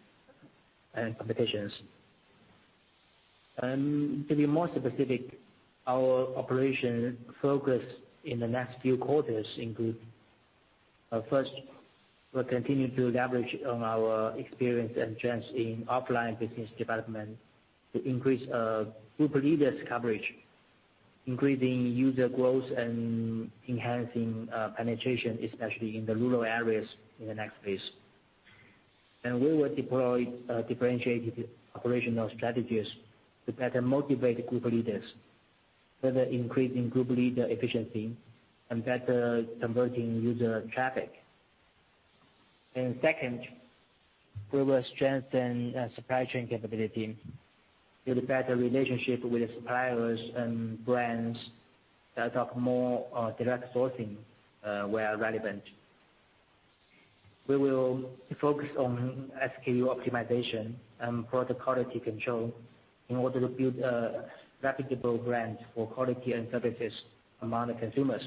competitions. To be more specific, our operation focus in the next few quarters include, first, we'll continue to leverage on our experience and strength in offline business development to increase our group leaders coverage, increasing user growth and enhancing penetration, especially in the rural areas in the next phase. We will deploy differentiated operational strategies to better motivate group leaders, further increasing group leader efficiency and better converting user traffic. Second, we will strengthen supply chain capability with better relationship with suppliers and brands that have more direct sourcing where relevant. We will focus on SKU optimization and product quality control in order to build a reputable brand for quality and services among the consumers.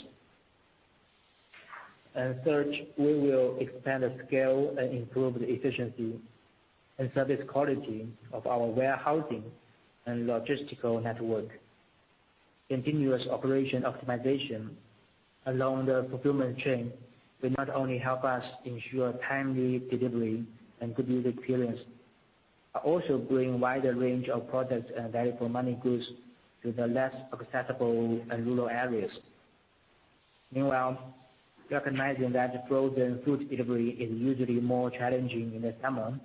Third, we will expand the scale and improve the efficiency and service quality of our warehousing and logistical network. Continuous operation optimization along the fulfillment chain will not only help us ensure timely delivery and good user experience, but also bring wider range of products and value for money goods to the less accessible rural areas. Meanwhile, recognizing that frozen food delivery is usually more challenging in the summer,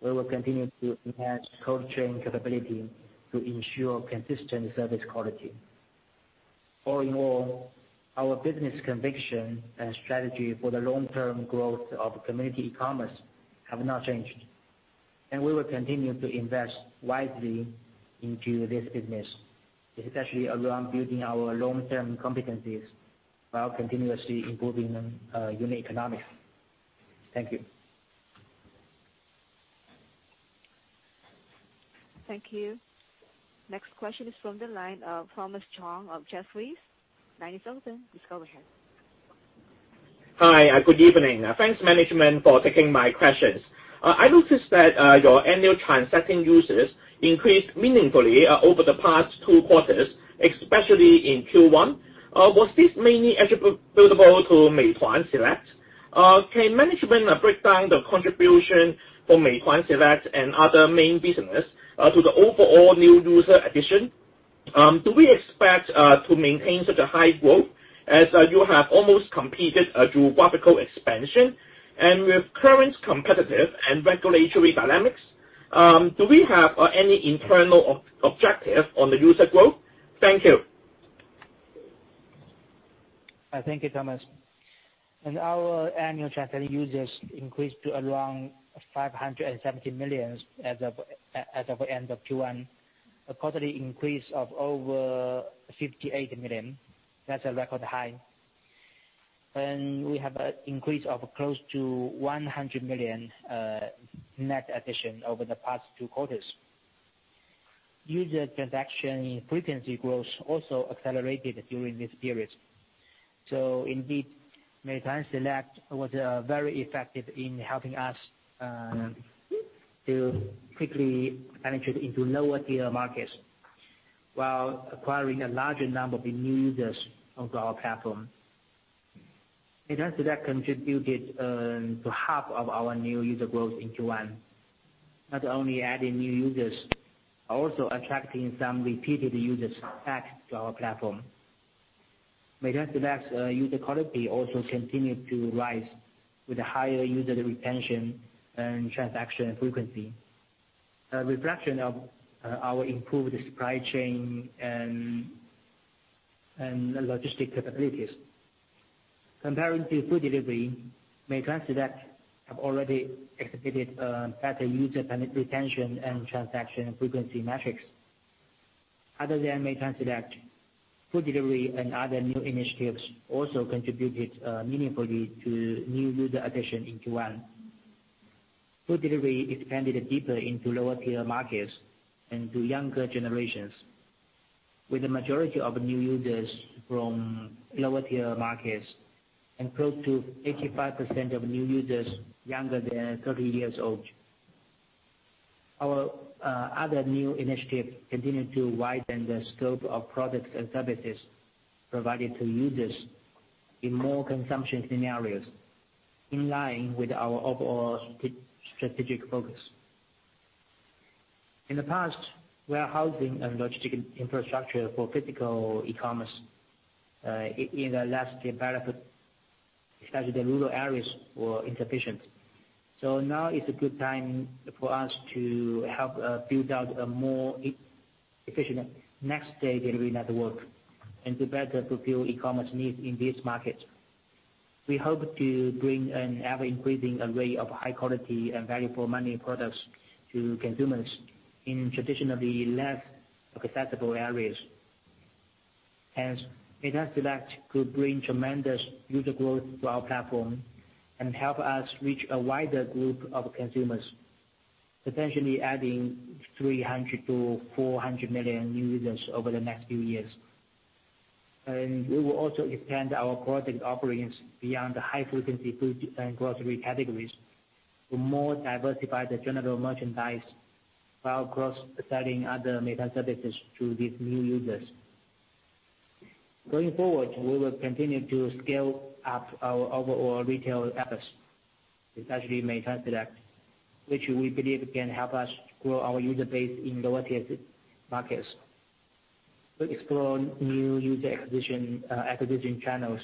we will continue to enhance cold chain capability to ensure consistent service quality. All in all, our business conviction and strategy for the long-term growth of community commerce have not changed. We will continue to invest wisely into this business, especially around building our long-term competencies while continuously improving unit economics. Thank you. Thank you. Next question is from the line of Thomas Chong of Jefferies. Line is open. Please go ahead. Hi, good evening. Thanks management for taking my questions. I noticed that your annual transacting users increased meaningfully over the past two quarters, especially in Q1. Was this mainly attributable to Meituan Select? Can management break down the contribution for Meituan Select and other main business to the overall new user addition? Do we expect to maintain such a high growth as you have almost completed a geographical expansion? With current competitive and regulatory dynamics, do we have any internal objective on the user growth? Thank you. Thank you, Thomas. Our annual transacting users increased to around 570 million as of end of Q1, a quarterly increase of over 58 million. That's a record high. We have an increase of close to 100 million net addition over the past two quarters. User transaction frequency growth also accelerated during this period. Indeed, Meituan Select was very effective in helping us to quickly penetrate into lower tier markets while acquiring a larger number of new users onto our platform. Meituan Select contributed to half of our new user growth in Q1, not only adding new users, but also attracting some repeated users back to our platform. Meituan Select user quality also continued to rise with higher user retention and transaction frequency, a reflection of our improved supply chain and logistic capabilities. Compared to food delivery, Meituan Select have already exhibited better user retention and transaction frequency metrics. Other than Meituan Select, food delivery and other new initiatives also contributed meaningfully to new user addition in Q1. Food delivery expanded deeper into lower tier markets and to younger generations. With the majority of new users from lower tier markets and close to 85% of new users younger than 30 years old. Our other new initiatives continue to widen the scope of products and services provided to users in more consumption scenarios, in line with our overall strategic focus. In the past, warehouse and logistics infrastructure for physical e-commerce in less developed, especially the rural areas, were inefficient. Now is a good time for us to help build out a more efficient next-day delivery network and to better fulfill e-commerce needs in this market. We hope to bring an ever-increasing array of high-quality and value-for-money products to consumers in traditionally less accessible areas. Hence, Meituan Direct could bring tremendous user growth to our platform and help us reach a wider group of consumers, potentially adding 300 million-400 million new users over the next few years. We will also expand our product offerings beyond the high-frequency food and grocery categories to more diversified general merchandise while cross-selling other Meituan services to these new users. Going forward, we will continue to scale up our overall retail efforts, especially Meituan Direct, which we believe can help us grow our user base in lower-tier markets. We will explore new user acquisition channels,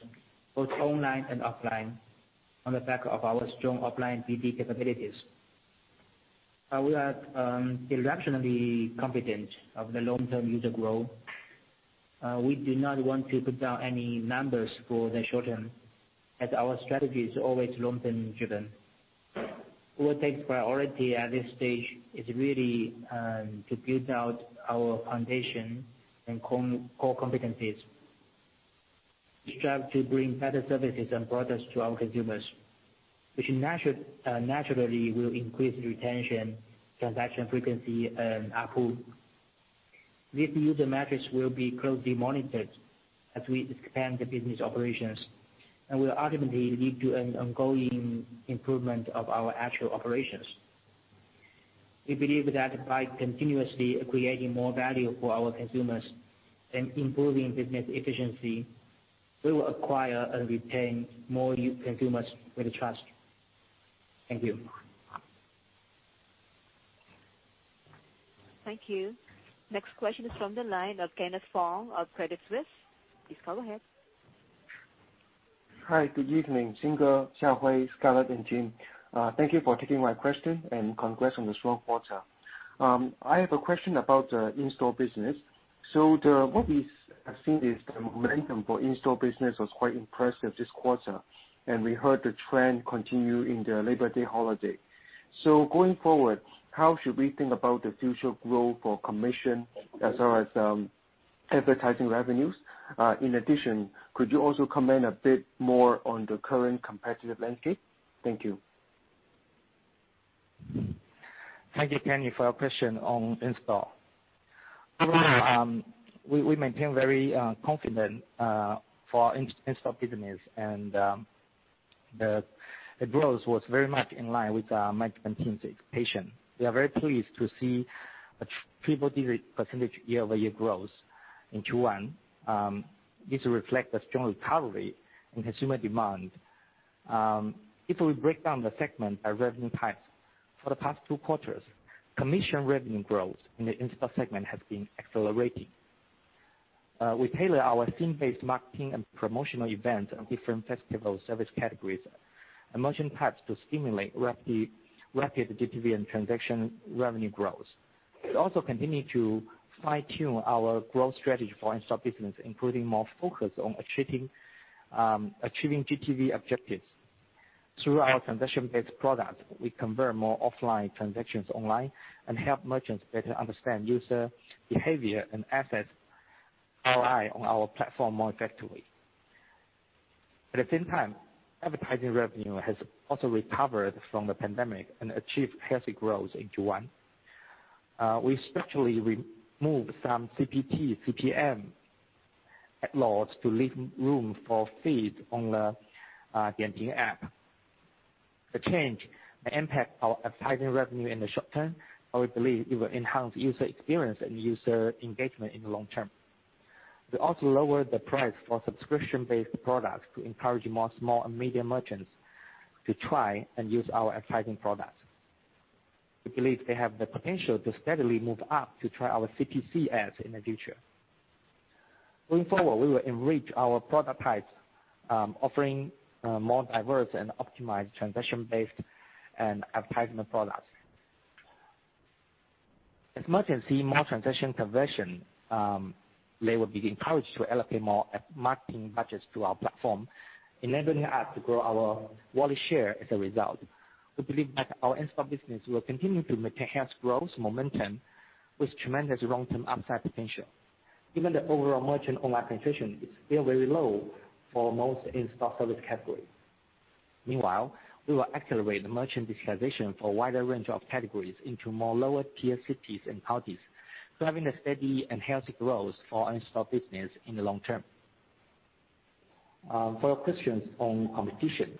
both online and offline, on the back of our strong offline BD capabilities. While we are exceptionally confident of the long-term user growth, we do not want to put down any numbers for the short term, as our strategy is always long-term driven. What takes priority at this stage is really to build out our foundation and core competencies. We strive to bring better services and products to our consumers, which naturally will increase retention, transaction frequency, and ARPU. These user metrics will be closely monitored as we expand the business operations and will ultimately lead to an ongoing improvement of our actual operations. We believe that by continuously creating more value for our consumers and improving business efficiency, we will acquire and retain more consumers' trust. Thank you. Thank you. Next question is from the line of Kenneth Fong of Credit Suisse. Please go ahead. Hi, good evening, Xing, Xiaohui, Scarlett, and Jim. Thank you for taking my question, and congrats on the strong quarter. I have a question about the in-store business. What we have seen is the momentum for in-store business was quite impressive this quarter, and we heard the trend continue in the Labor Day holiday. Going forward, how should we think about the future growth for commission as well as advertising revenues? In addition, could you also comment a bit more on the current competitive landscape? Thank you. Thank you, Kenneth Fong, for your question on in-store. We maintain very confident for in-store business. The growth was very much in line with our management team's expectation. We are very pleased to see a triple-digit percentage year-over-year growth in Q1. This reflects a strong recovery in consumer demand. If we break down the segment by revenue types, for the past two quarters, commission revenue growth in the in-store segment has been accelerating. We tailor our team-based marketing and promotional events on different festival service categories and merchant types to stimulate rapid GTV and transaction revenue growth. We also continue to fine-tune our growth strategy for in-store business, including more focus on achieving GTV objectives. Through our transaction-based product, we convert more offline transactions online and help merchants better understand user behavior and assess ROI on our platform more effectively. At the same time, advertising revenue has also recovered from the pandemic and achieved healthy growth in Q1. We structurally removed some CPT, CPM ad loads to leave room for feed on the Dianping app. The change may impact our advertising revenue in the short term, but we believe it will enhance user experience and user engagement in the long term. We also lowered the price for subscription-based products to encourage more small and medium merchants to try and use our advertising products. We believe they have the potential to steadily move up to try our CPC ads in the future. Going forward, we will enrich our product types, offering more diverse and optimized transaction-based and advertising products. As merchants see more transaction conversion, they will be encouraged to allocate more marketing budgets to our platform, enabling us to grow our wallet share as a result. We believe that our in-store business will continue to maintain healthy growth momentum with tremendous long-term upside potential, given the overall merchant online penetration is still very low for most in-store service categories. We will accelerate merchant digitization for a wider range of categories into more lower-tier cities and counties, driving a steady and healthy growth for in-store business in the long term. For questions on competition.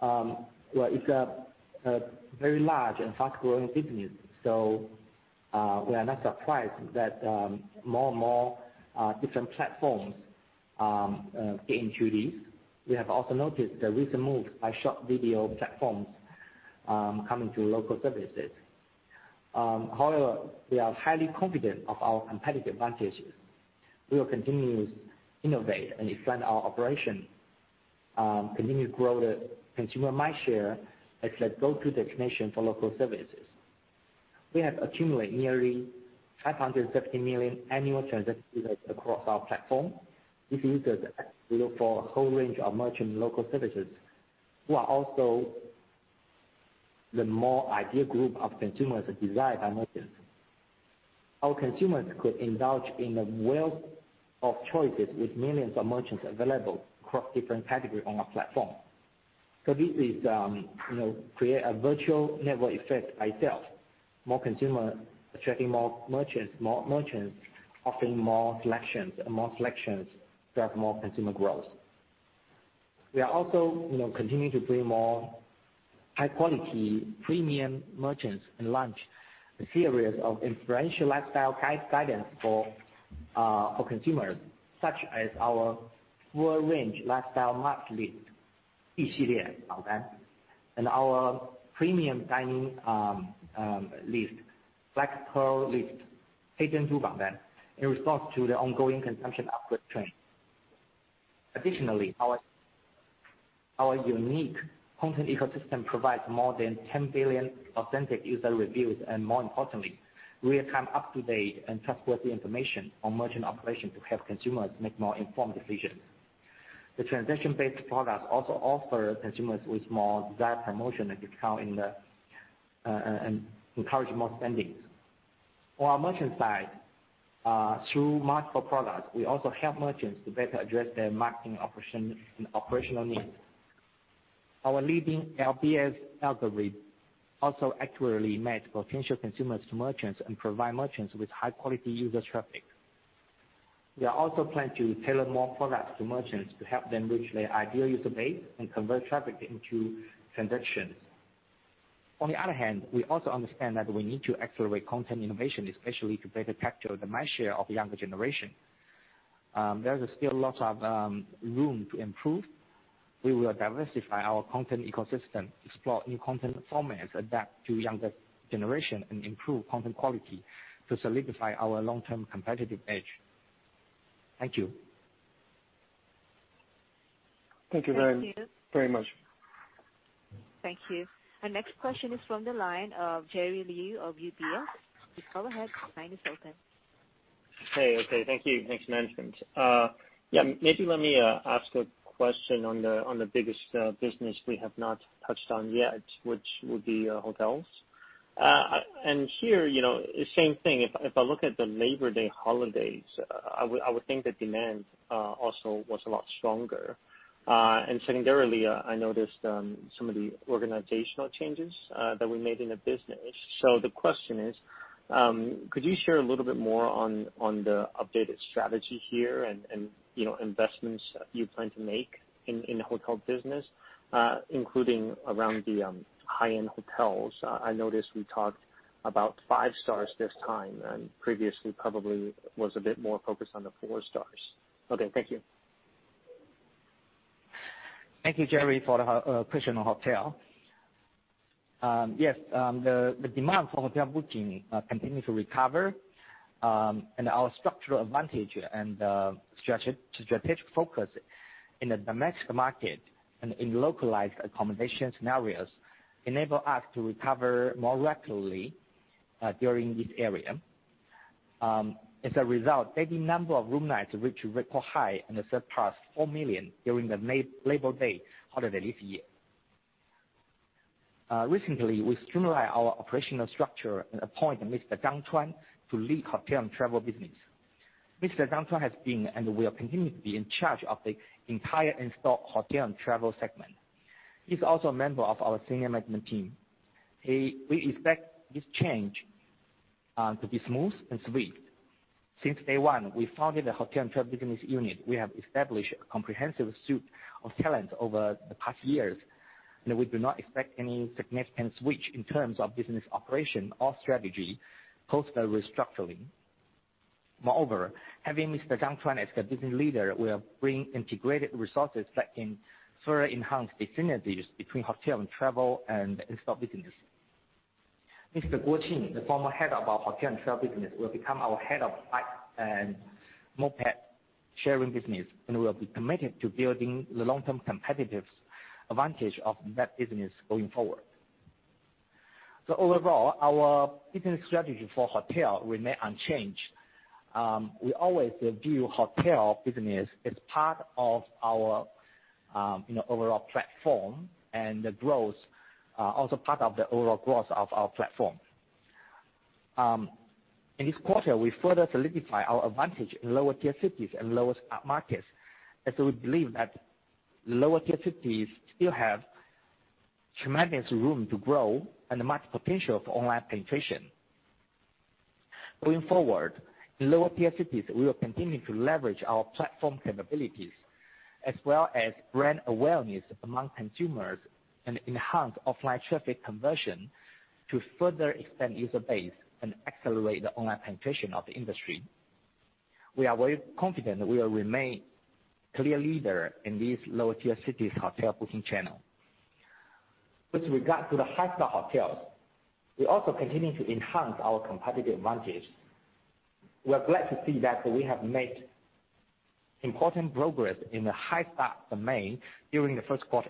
Well, it's a very large and fast-growing business, we are not surprised that more and more different platforms get into this. We have also noticed the recent move by short video platforms coming to local services. We are highly confident of our competitive advantages. We will continue to innovate and expand our operation, continue to grow the consumer mindshare as a go-to destination for local services. We have accumulated nearly 570 million annual transactions across our platform with users that are available for a whole range of merchant local services, who are also the more ideal group of consumers desired by merchants. Our consumers could indulge in a wealth of choices with millions of merchants available across different categories on our platform. This creates a virtual network effect by itself. More consumers attracting more merchants, more merchants offering more selections, and more selections drive more consumer growth. We are also continuing to bring more high-quality premium merchants and launch a series of experiential lifestyle guide guidance for consumers, such as our full range lifestyle must list, and our premium dining list, Black Pearl list, in response to the ongoing consumption upgrade trend. Additionally, our unique content ecosystem provides more than 10 billion authentic user reviews and more importantly, real-time up-to-date and trustworthy information on merchant operations to help consumers make more informed decisions. The transaction-based product also offers consumers with more desired promotion and discount and encourage more spending. On our merchant side, through multiple products, we also help merchants to better address their marketing and operational needs. Our leading LBS algorithm also accurately match potential consumers to merchants and provide merchants with high-quality user traffic. We are also planning to tailor more products to merchants to help them reach their ideal user base and convert traffic into transactions. On the other hand, we also understand that we need to accelerate content innovation, especially to better capture the mindshare of the younger generation. There is still lots of room to improve. We will diversify our content ecosystem, explore new content formats, adapt to younger generation, and improve content quality to solidify our long-term competitive edge. Thank you. Thank you very much. Thank you. The next question is from the line of Jerry Lee of UOB. Please go ahead. Hey. Okay, thank you. Thanks management. Maybe let me ask a question on the biggest business we have not touched on yet, which would be hotels. Here, same thing, if I look at the Labor Day holidays, I would think the demand also was a lot stronger. Secondarily, I noticed some of the organizational changes that were made in the business. The question is, could you share a little bit more on the updated strategy here and investments that you plan to make in the hotel business, including around the high-end hotels? I noticed we talked about 5 stars this time, and previously probably was a bit more focused on the 4 stars. Okay, thank you. Thank you, Jerry, for the question on hotel. Yes, the demand for hotel booking continued to recover, and our structural advantage and strategic focus in the domestic market and in localized accommodation scenarios enable us to recover more rapidly during this period. As a result, the daily number of room nights reached a record high and surpassed four million during the Labor Day holiday this year. Recently, we streamlined our operational structure and appointed Mr. Zhang Chuan to lead hotel and travel business. Mr. Zhang Chuan has been and will continue to be in charge of the entire in-store hotel and travel segment. He's also a member of our senior management team. We expect this change to be smooth and swift. Since Day One, we founded the hotel and travel business unit. We have established a comprehensive suite of talent over the past years, and we do not expect any significant switch in terms of business operation or strategy post our restructuring. Moreover, having Mr. Zhang Chuan as the business leader will bring integrated resources that can further enhance the synergies between hotel and travel and in-store business. Mr. Guo Qing, the former head of our hotel and travel business, will become our head of bike and moped sharing business and will be committed to building the long-term competitive advantage of that business going forward. Overall, our business strategy for hotel remain unchanged. We always view hotel business as part of our overall platform and the growth, also part of the overall growth of our platform. In this quarter, we further solidify our advantage in lower-tier cities and lower markets, as we believe that lower-tier cities still have tremendous room to grow and much potential for online penetration. Going forward, in lower-tier cities, we will continue to leverage our platform capabilities as well as brand awareness among consumers and enhance offline traffic conversion to further extend user base and accelerate the online penetration of the industry. We are very confident that we will remain clear leader in these lower-tier cities' hotel booking channel. With regard to the high-star hotels, we also continue to enhance our competitive advantage. We're glad to see that we have made important progress in the high-star domain during the first quarter,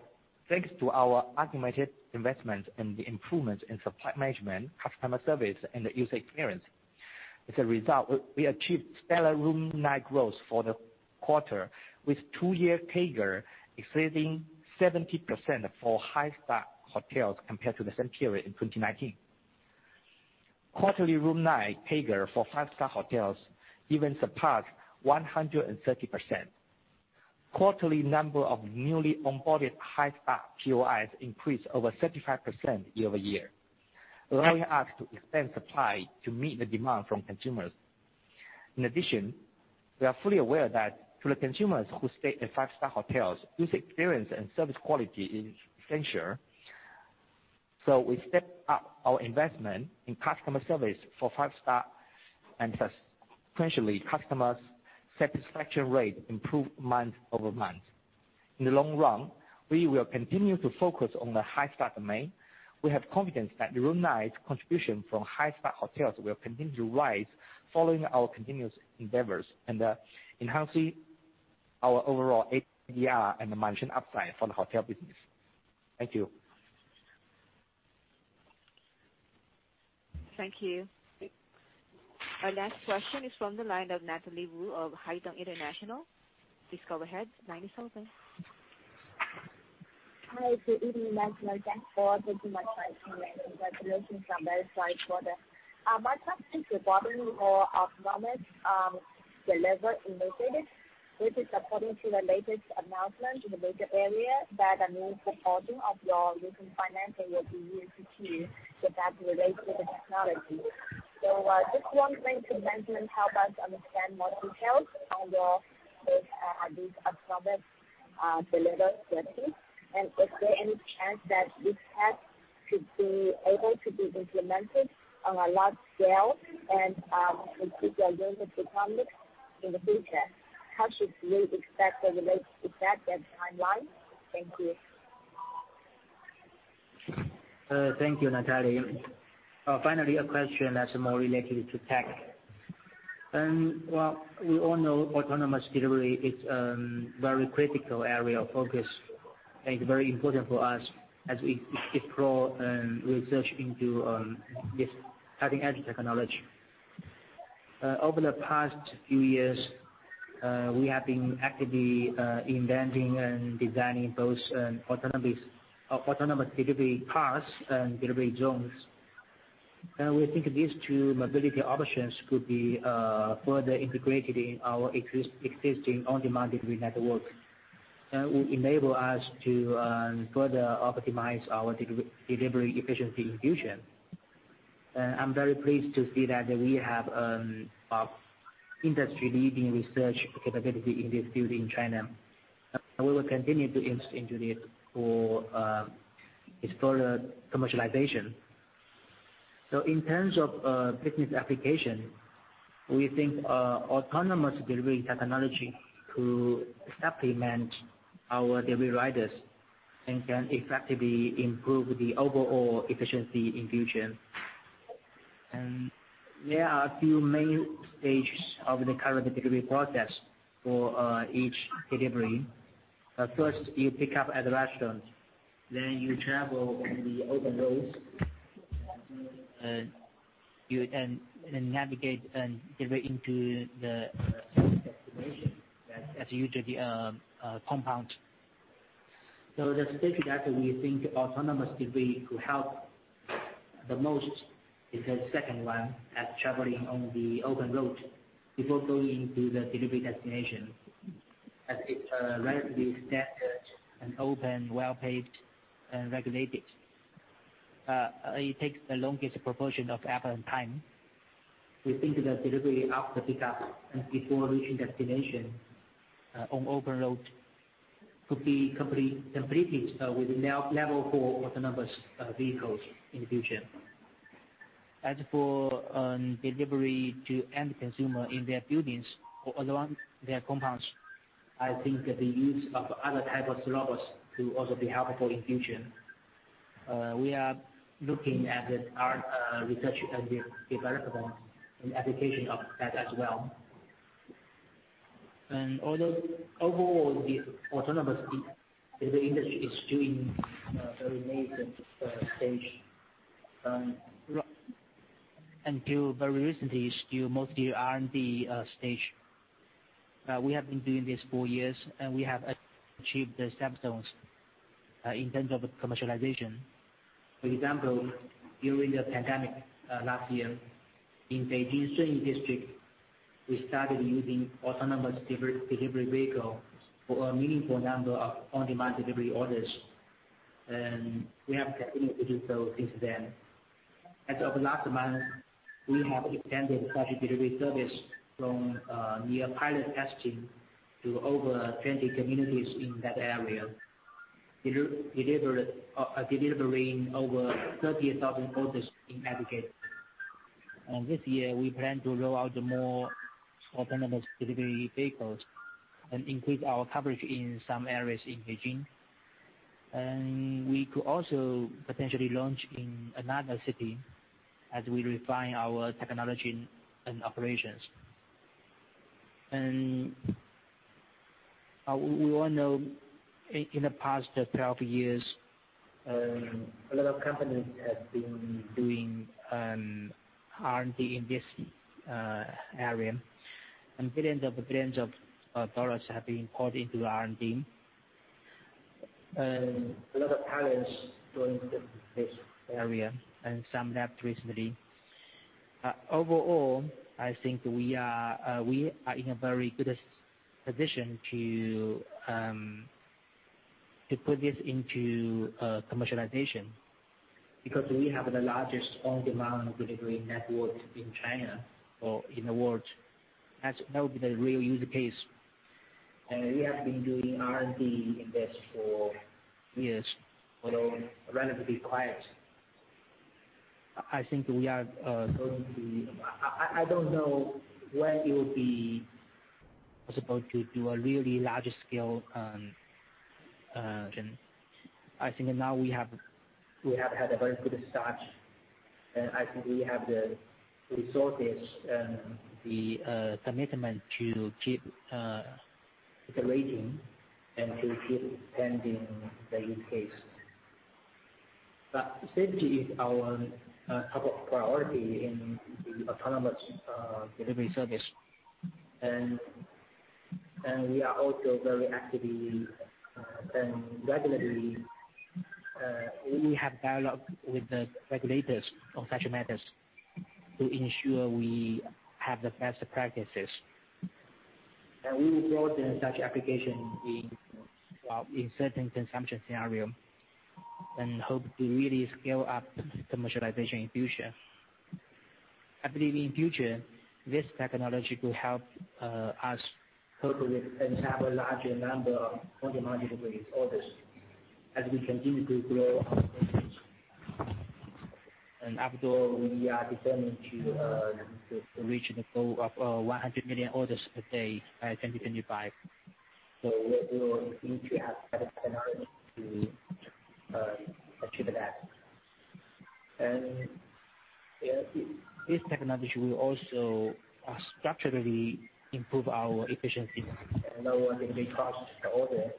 thanks to our automated investment and the improvements in supply management, customer service, and the user experience. As a result, we achieved stellar room night growth for the quarter, with two-year CAGR exceeding 70% for high-star hotels compared to the same period in 2019. Quarterly room night CAGR for five-star hotels even surpassed 130%. Quarterly number of newly onboarded high-star POIs increased over 35% year-over-year, allowing us to expand supply to meet the demand from consumers. In addition, we are fully aware that for the consumers who stay in five-star hotels, user experience and service quality is essential. We stepped up our investment in customer service for five-star, and sequentially, customers' satisfaction rate improved month-over-month. In the long run, we will continue to focus on the high-star domain. We have confidence that room night contribution from high-star hotels will continue to rise following our continuous endeavors and enhancing our overall ADR and margin upside for the hotel business. Thank you. Thank you. Our last question is from the line of Natalie Wu of Haitong International. Please go ahead. Line is open. Hi, good evening, management, and for the Meituan management team. Thank you so much. My first question is regarding your autonomous delivery initiative, which is according to the latest announcement in the Meituan area that a new supporting of your listing funds will be used to the tech-related technology. Just wondering if you can help us understand more details on your take on these autonomous delivery services, and is there any chance that this tech could be able to be implemented on a large scale and contribute to your business performance in the future? How should we expect the related effect and timeline? Thank you. Thank you, Natalie. Finally, a question that's more related to tech. We all know autonomous delivery is very critical area of focus and very important for us as we explore and research into this cutting-edge technology. Over the past few years, we have been actively inventing and designing both autonomous delivery cars and delivery drones. Now, we think these two mobility options could be further integrated in our existing on-demand delivery network, that will enable us to further optimize our delivery efficiency in future. I'm very pleased to see that we have an industry-leading research capability in this field in China. We will continue to invest into this for its further commercialization. In terms of business application, we think autonomous delivery technology could supplement our delivery riders and can effectively improve the overall efficiency in future. There are a few main stages of the current delivery process for each delivery. First, you pick up at a restaurant, then you travel on the open roads, and you navigate and deliver into the destination. That's usually a compound. The stage that we think autonomous delivery could help the most is stage 2, at traveling on the open road before going into the delivery destination, as it's relatively standard and open, well-paved, and regulated. It takes the longest proportion of travel time. We think the delivery after pickup and before reaching destination on open road could be completed with level 4 autonomous vehicles in future. As for delivery to end consumer in their buildings or around their compounds, I think that the use of other types of robots could also be helpful in future. We are looking at our research and development and application of that as well. Although overall, the autonomous delivery industry is still in its very nascent stage, until very recently, still mostly R&D stage. We have been doing this for years, and we have achieved the milestones in terms of commercialization. For example, during the pandemic last year in Beijing Shunyi district, we started using autonomous delivery vehicle for a meaningful number of on-demand delivery orders. We have the ability to do so instantly. As of last month, we have expanded the delivery service from near pilot testing to over 20 communities in that area, delivering over 30,000 orders in aggregate. This year, we plan to roll out more autonomous delivery vehicles and increase our coverage in some areas in Beijing. We could also potentially launch in another city as we refine our technology and operations. We all know in the past 12 years, a lot of companies have been doing R&D in this area, billions of billions of CNY have been poured into R&D, a lot of talents joined this area, some left recently. Overall, I think we are in a very good position to put this into commercialization because we have the largest on-demand delivery network in China or in the world. That's now the real use case. We have been doing R&D in this for years, although relatively quiet. I don't know when it will be possible to do a really large scale. I think now we have had a very good start, and I think we have the resources and the commitment to keep iterating and to keep expanding the use case. Safety is our top priority in the autonomous delivery service, and we are also very actively and regularly, we have dialogue with the regulators on such matters to ensure we have the best practices. We will roll out such application in certain consumption scenarios and hope to really scale up commercialization in future. I believe in future, this technology will help us cope with and have a larger number of on-demand delivery orders as we continue to grow our business. After all, we are determined to reach the goal of 100 million orders per day 2025. We will need to have technology to achieve that. This technology will also structurally improve our efficiency and lower the cost per order,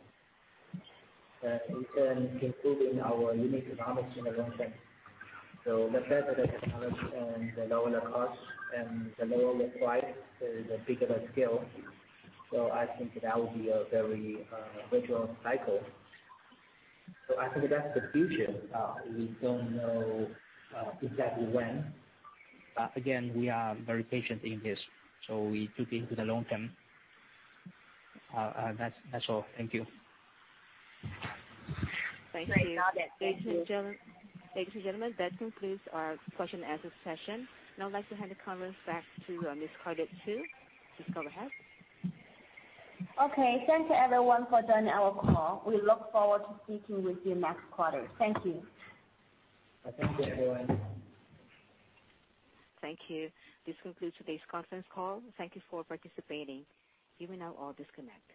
and in turn, improving our unit economics and the like. The better the economics and the lower the cost and the lower the price, the bigger the scale. I think that will be a very virtuous cycle. I think that's the future. We don't know exactly when. Again, we are very patient in this, so we think it's a long term. That's all. Thank you. Thank you. Thank you, gentlemen. That concludes our question and answer session. Let's hand the conference back to Ms. Scarlett Xu to sum it up. Okay, thank you everyone for joining our call. We look forward to speaking with you next quarter. Thank you. Thank you, everyone. Thank you. This concludes today's conference call. Thank you for participating. You may now all disconnect.